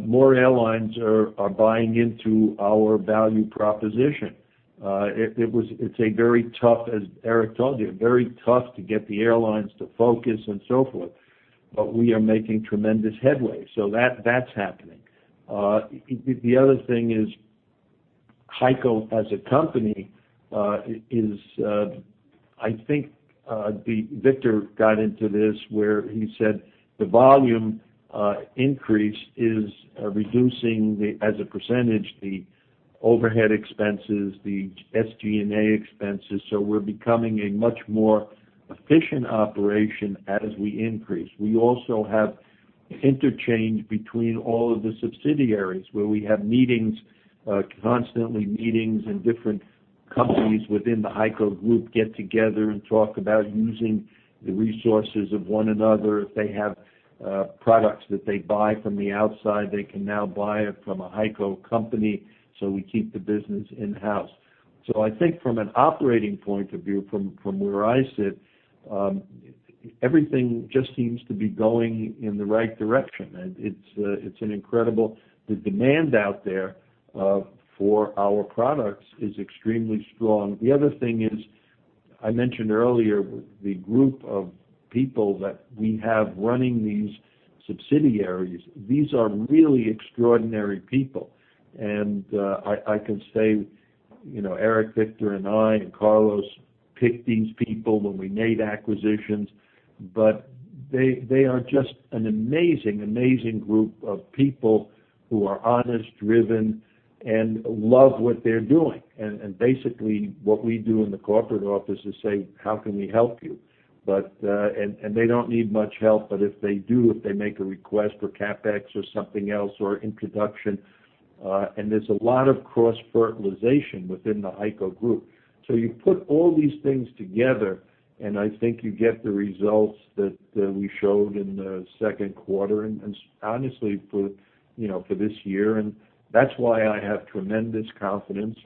more airlines are buying into our value proposition. It's a very tough, as Eric told you, very tough to get the airlines to focus and so forth. We are making tremendous headway. That's happening. The other thing is HEICO as a company, I think Victor got into this where he said the volume increase is reducing, as a percentage, the overhead expenses, the SG&A expenses. We're becoming a much more efficient operation as we increase. We also have interchange between all of the subsidiaries, where we have meetings constantly, meetings and different companies within the HEICO group get together and talk about using the resources of one another. If they have products that they buy from the outside, they can now buy it from a HEICO company, so we keep the business in-house. I think from an operating point of view, from where I sit, everything just seems to be going in the right direction. It's incredible. The demand out there for our products is extremely strong. The other thing is, I mentioned earlier, the group of people that we have running these subsidiaries, these are really extraordinary people. I can say, Eric, Victor and I, and Carlos picked these people when we made acquisitions, but they are just an amazing group of people who are honest, driven, and love what they're doing. Basically, what we do in the corporate office is say, "How can we help you?" They don't need much help, but if they do, if they make a request for CapEx or something else, or introduction, and there's a lot of cross-fertilization within the HEICO group. You put all these things together, and I think you get the results that we showed in the second quarter, and honestly for this year, and that's why I have tremendous confidence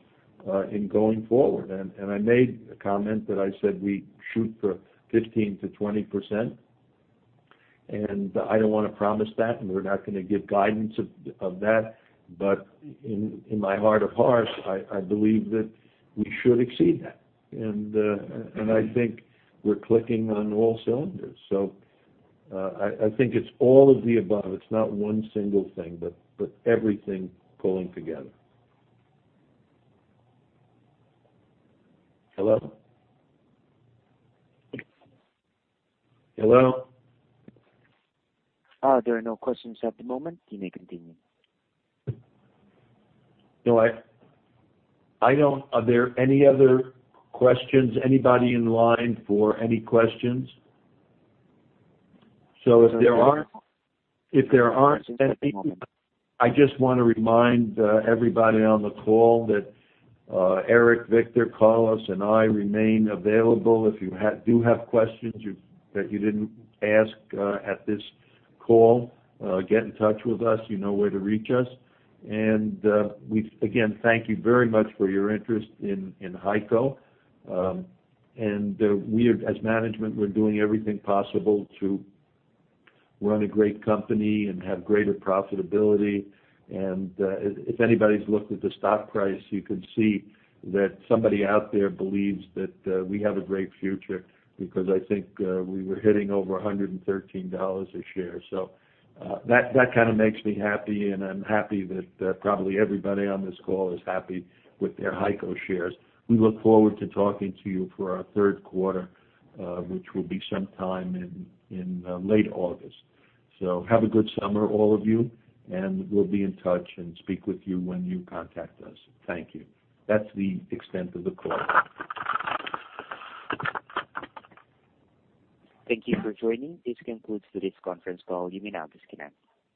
in going forward. I made a comment that I said we shoot for 15%-20%. I don't want to promise that, and we're not going to give guidance of that. In my heart of hearts, I believe that we should exceed that. I think we're clicking on all cylinders. I think it's all of the above. It's not one single thing, but everything pulling together. Hello? Hello? There are no questions at the moment. You may continue. Are there any other questions? Anybody in line for any questions? If there aren't any, I just want to remind everybody on the call that Eric, Victor, Carlos, and I remain available. If you do have questions that you didn't ask at this call, get in touch with us. You know where to reach us. We, again, thank you very much for your interest in HEICO. As management, we're doing everything possible to run a great company and have greater profitability. If anybody's looked at the stock price, you can see that somebody out there believes that we have a great future, because I think we were hitting over $113 a share. That kind of makes me happy, and I'm happy that probably everybody on this call is happy with their HEICO shares. We look forward to talking to you for our third quarter, which will be sometime in late August. Have a good summer, all of you, and we'll be in touch and speak with you when you contact us. Thank you. That's the extent of the call. Thank you for joining. This concludes today's conference call. You may now disconnect.